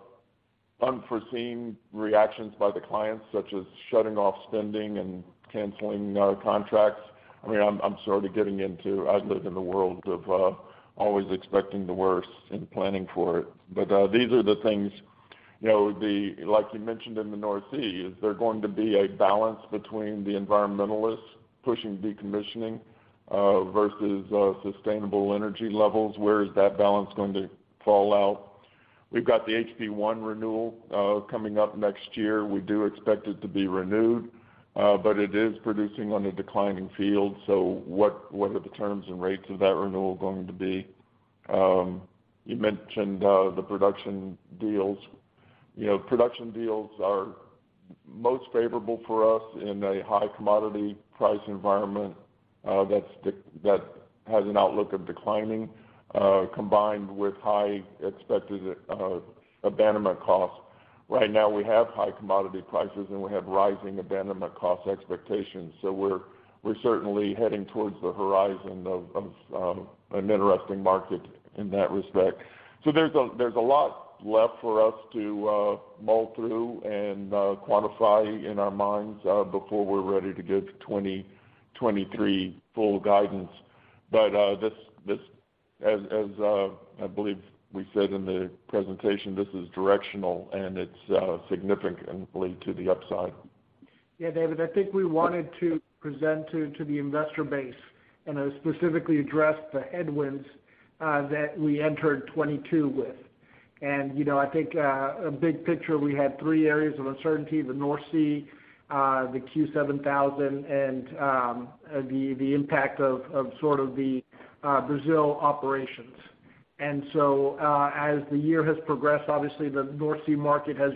unforeseen reactions by the clients, such as shutting off spending and canceling our contracts? I mean, I'm sort of getting into. I live in the world of always expecting the worst and planning for it. These are the things, you know, the like you mentioned in the North Sea, is there going to be a balance between the environmentalists pushing decommissioning versus sustainable energy levels? Where is that balance going to fall out? We've got the HP1 renewal coming up next year. We do expect it to be renewed, but it is producing on a declining field. What are the terms and rates of that renewal going to be? You mentioned the production deals. You know, production deals are most favorable for us in a high commodity price environment, that has an outlook of declining combined with high expected abandonment costs. Right now, we have high commodity prices, and we have rising abandonment cost expectations, so we're certainly heading towards the horizon of an interesting market in that respect. There's a lot left for us to mull through and quantify in our minds before we're ready to give 2023 full guidance. This, as I believe we said in the presentation, this is directional, and it's significantly to the upside. Yeah, David, I think we wanted to present to the investor base and specifically address the headwinds that we entered 2022 with. You know, I think big picture, we had three areas of uncertainty, the North Sea, the Q7000, and the impact of sort of the Brazil operations. As the year has progressed, obviously the North Sea market has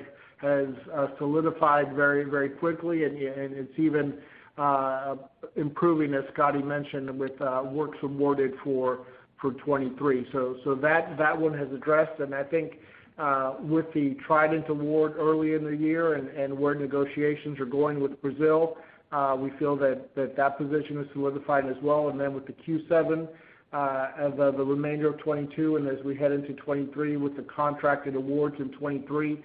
solidified very quickly, and it's even improving, as Scotty mentioned, with works awarded for 2023. That one has addressed. I think with the Trident award early in the year and where negotiations are going with Brazil, we feel that position is solidified as well. Then with the Q7 of the remainder of 2022, and as we head into 2023 with the contracted awards in 2023,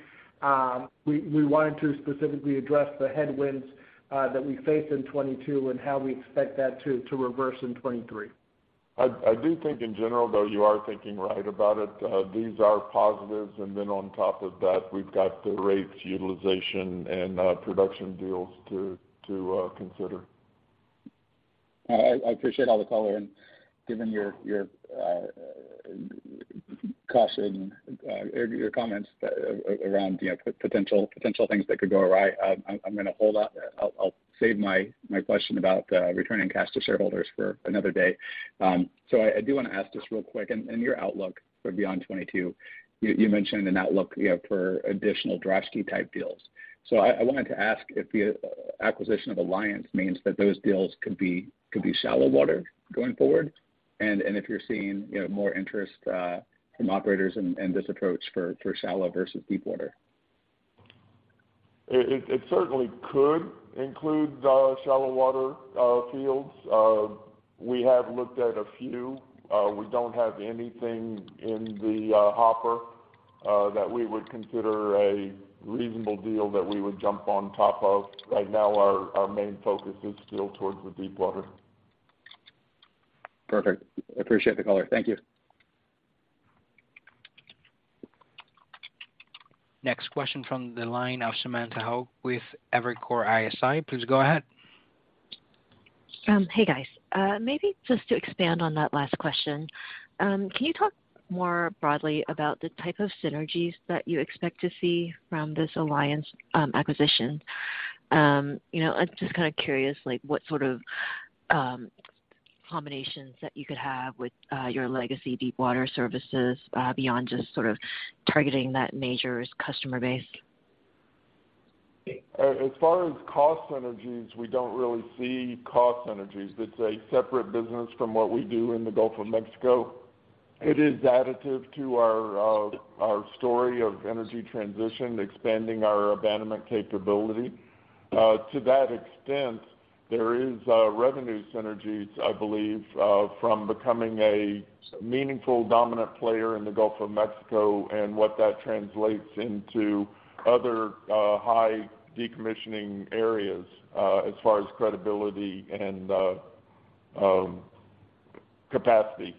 we wanted to specifically address the headwinds that we face in 2022 and how we expect that to reverse in 2023. I do think in general, though, you are thinking right about it. These are positives. On top of that, we've got the rates, utilization, and production deals to consider. I appreciate all the color. Given your caution or your comments around, you know, potential things that could go awry, I'm gonna hold off. I'll save my question about returning cash to shareholders for another day. I do wanna ask just real quick, in your outlook for beyond 2022, you mentioned an outlook you have for additional Droshky-type deals. I wanted to ask if the acquisition of Alliance means that those deals could be shallow water going forward, and if you're seeing, you know, more interest from operators in this approach for shallow versus deepwater. It certainly could include shallow water fields. We have looked at a few. We don't have anything in the hopper that we would consider a reasonable deal that we would jump on top of. Right now our main focus is still towards the deepwater. Perfect. Appreciate the color. Thank you. Next question from the line of Samantha Hoh with Evercore ISI. Please go ahead. Hey, guys. Maybe just to expand on that last question, can you talk more broadly about the type of synergies that you expect to see from this Alliance acquisition? You know, I'm just kind of curious, like what sort of combinations that you could have with your legacy deepwater services, beyond just sort of targeting that majors' customer base. As far as cost synergies, we don't really see cost synergies. It's a separate business from what we do in the Gulf of Mexico. It is additive to our story of energy transition, expanding our abandonment capability. To that extent, there is revenue synergies, I believe, from becoming a meaningful dominant player in the Gulf of Mexico and what that translates into other high decommissioning areas as far as credibility and capacity.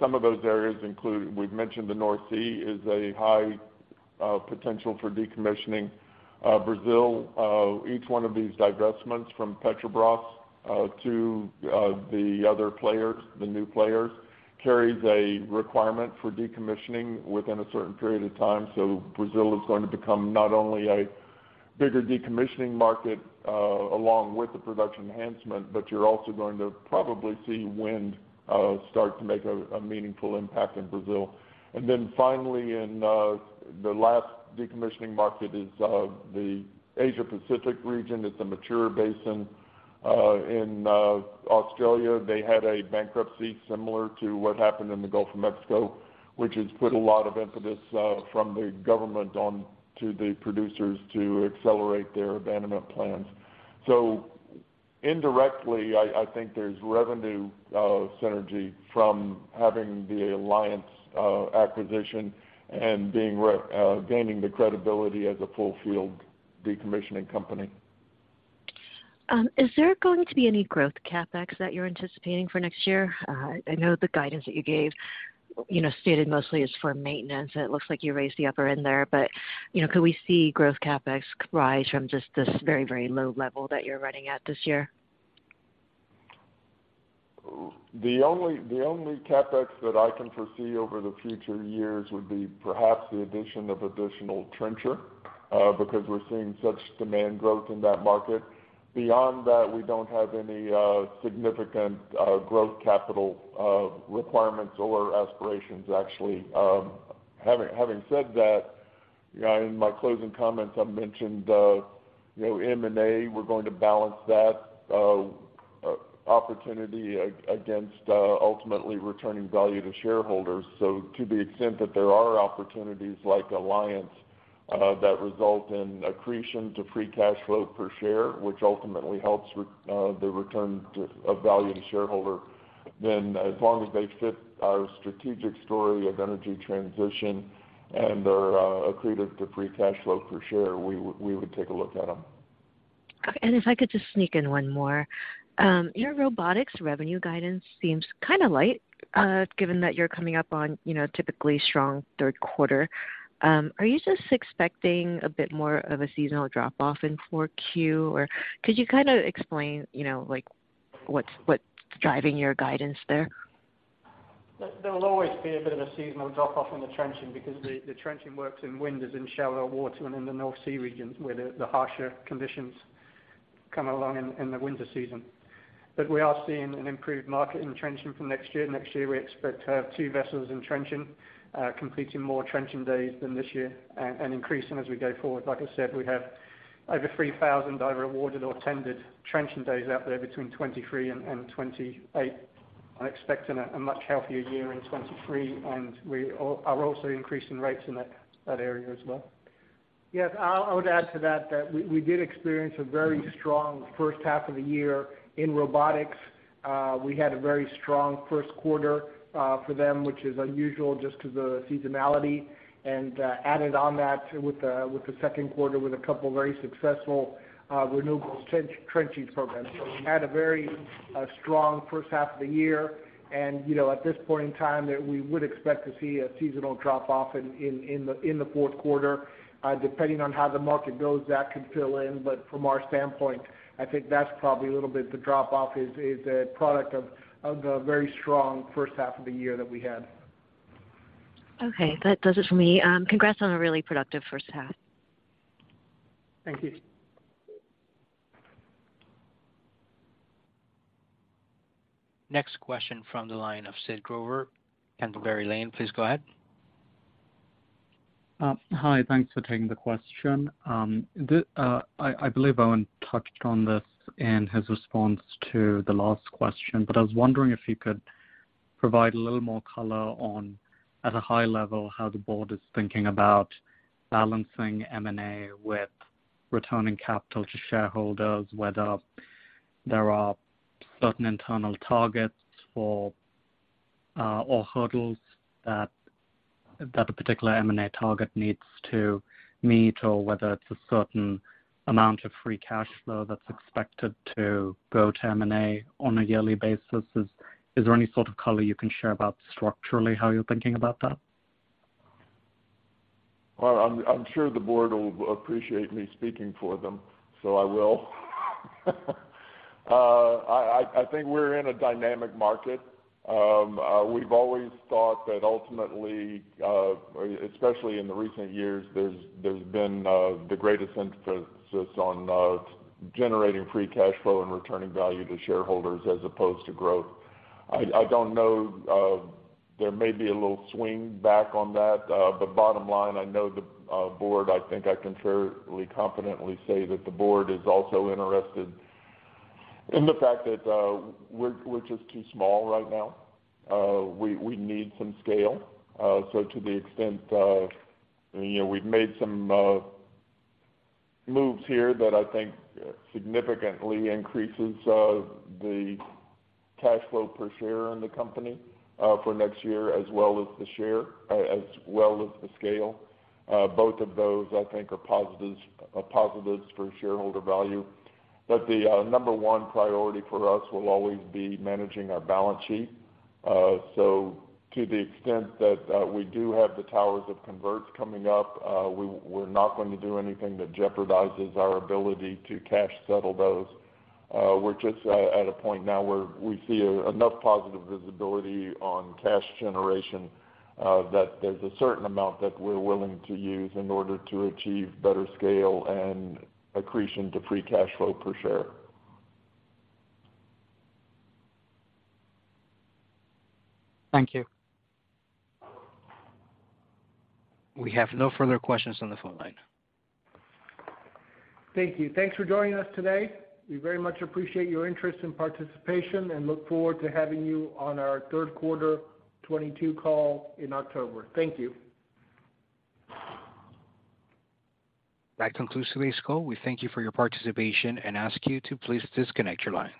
Some of those areas include, we've mentioned the North Sea is a high potential for decommissioning. Brazil, each one of these divestments from Petrobras to the other players, the new players, carries a requirement for decommissioning within a certain period of time. Brazil is going to become not only a bigger decommissioning market, along with the production enhancement, but you're also going to probably see wind start to make a meaningful impact in Brazil. Then finally, the last decommissioning market is the Asia Pacific region. It's a mature basin. In Australia, they had a bankruptcy similar to what happened in the Gulf of Mexico, which has put a lot of impetus from the government on to the producers to accelerate their abandonment plans. Indirectly, I think there's revenue synergy from having the Alliance acquisition and regaining the credibility as a full field decommissioning company. Is there going to be any growth CapEx that you're anticipating for next year? I know the guidance that you gave, you know, stated mostly is for maintenance, and it looks like you raised the upper end there. You know, could we see growth CapEx rise from just this very, very low level that you're running at this year? The only CapEx that I can foresee over the future years would be perhaps the addition of additional trencher because we're seeing such demand growth in that market. Beyond that, we don't have any significant growth capital requirements or aspirations actually. Having said that, in my closing comments, I mentioned, you know, M&A. We're going to balance that opportunity against ultimately returning value to shareholders. To the extent that there are opportunities like Alliance that result in accretion to free cash flow per share, which ultimately helps return value to shareholders, then as long as they fit our strategic story of energy transition and are accretive to free cash flow per share, we would take a look at them. If I could just sneak in one more. Your robotics revenue guidance seems kind of light, given that you're coming up on, you know, a typically strong third quarter. Are you just expecting a bit more of a seasonal drop-off in 4Q? Or could you kind of explain, you know, like what's driving your guidance there? There will always be a bit of a seasonal drop-off in the trenching because the trenching works in wind. It's in shallow water and in the North Sea regions, where the harsher conditions come along in the winter season. We are seeing an improved market in trenching for next year. Next year, we expect to have two vessels in trenching, completing more trenching days than this year and increasing as we go forward. Like I said, we have over 3,000 either awarded or tendered trenching days out there between 2023 and 2028. I'm expecting a much healthier year in 2023, and we are also increasing rates in that area as well. Yes. I would add to that we did experience a very strong first half of the year in robotics. We had a very strong first quarter for them, which is unusual just because of the seasonality, and added on that with the second quarter with a couple very successful renewable trenching programs. So we had a very strong first half of the year and, you know, at this point in time that we would expect to see a seasonal drop-off in the fourth quarter. Depending on how the market goes, that could fill in. But from our standpoint, I think that's probably a little bit the drop-off is a product of the very strong first half of the year that we had. Okay. That does it for me. Congrats on a really productive first half. Thank you. Next question from the line of Sid Grover, Canterbury Lane. Please go ahead. Hi. Thanks for taking the question. I believe Owen touched on this in his response to the last question, but I was wondering if you could provide a little more color on, at a high level, how the board is thinking about balancing M&A with returning capital to shareholders, whether there are certain internal targets for or hurdles that a particular M&A target needs to meet, or whether it's a certain amount of free cash flow that's expected to go to M&A on a yearly basis. Is there any sort of color you can share about structurally how you're thinking about that? I'm sure the board will appreciate me speaking for them, so I will. I think we're in a dynamic market. We've always thought that ultimately, especially in the recent years, there's been the greatest emphasis on generating free cash flow and returning value to shareholders as opposed to growth. I don't know, there may be a little swing back on that. Bottom line, I know the board, I think I can fairly confidently say that the board is also interested in the fact that we're just too small right now. We need some scale. To the extent of, you know, we've made some moves here that I think significantly increases the cash flow per share in the company for next year as well as the share as well as the scale. Both of those, I think, are positives for shareholder value. The number one priority for us will always be managing our balance sheet. To the extent that we do have the towers of converts coming up, we're not going to do anything that jeopardizes our ability to cash settle those. We're just at a point now where we see enough positive visibility on cash generation that there's a certain amount that we're willing to use in order to achieve better scale and accretion to free cash flow per share. Thank you. We have no further questions on the phone line. Thank you. Thanks for joining us today. We very much appreciate your interest and participation, and look forward to having you on our third quarter 2022 call in October. Thank you. That concludes today's call. We thank you for your participation and ask you to please disconnect your lines.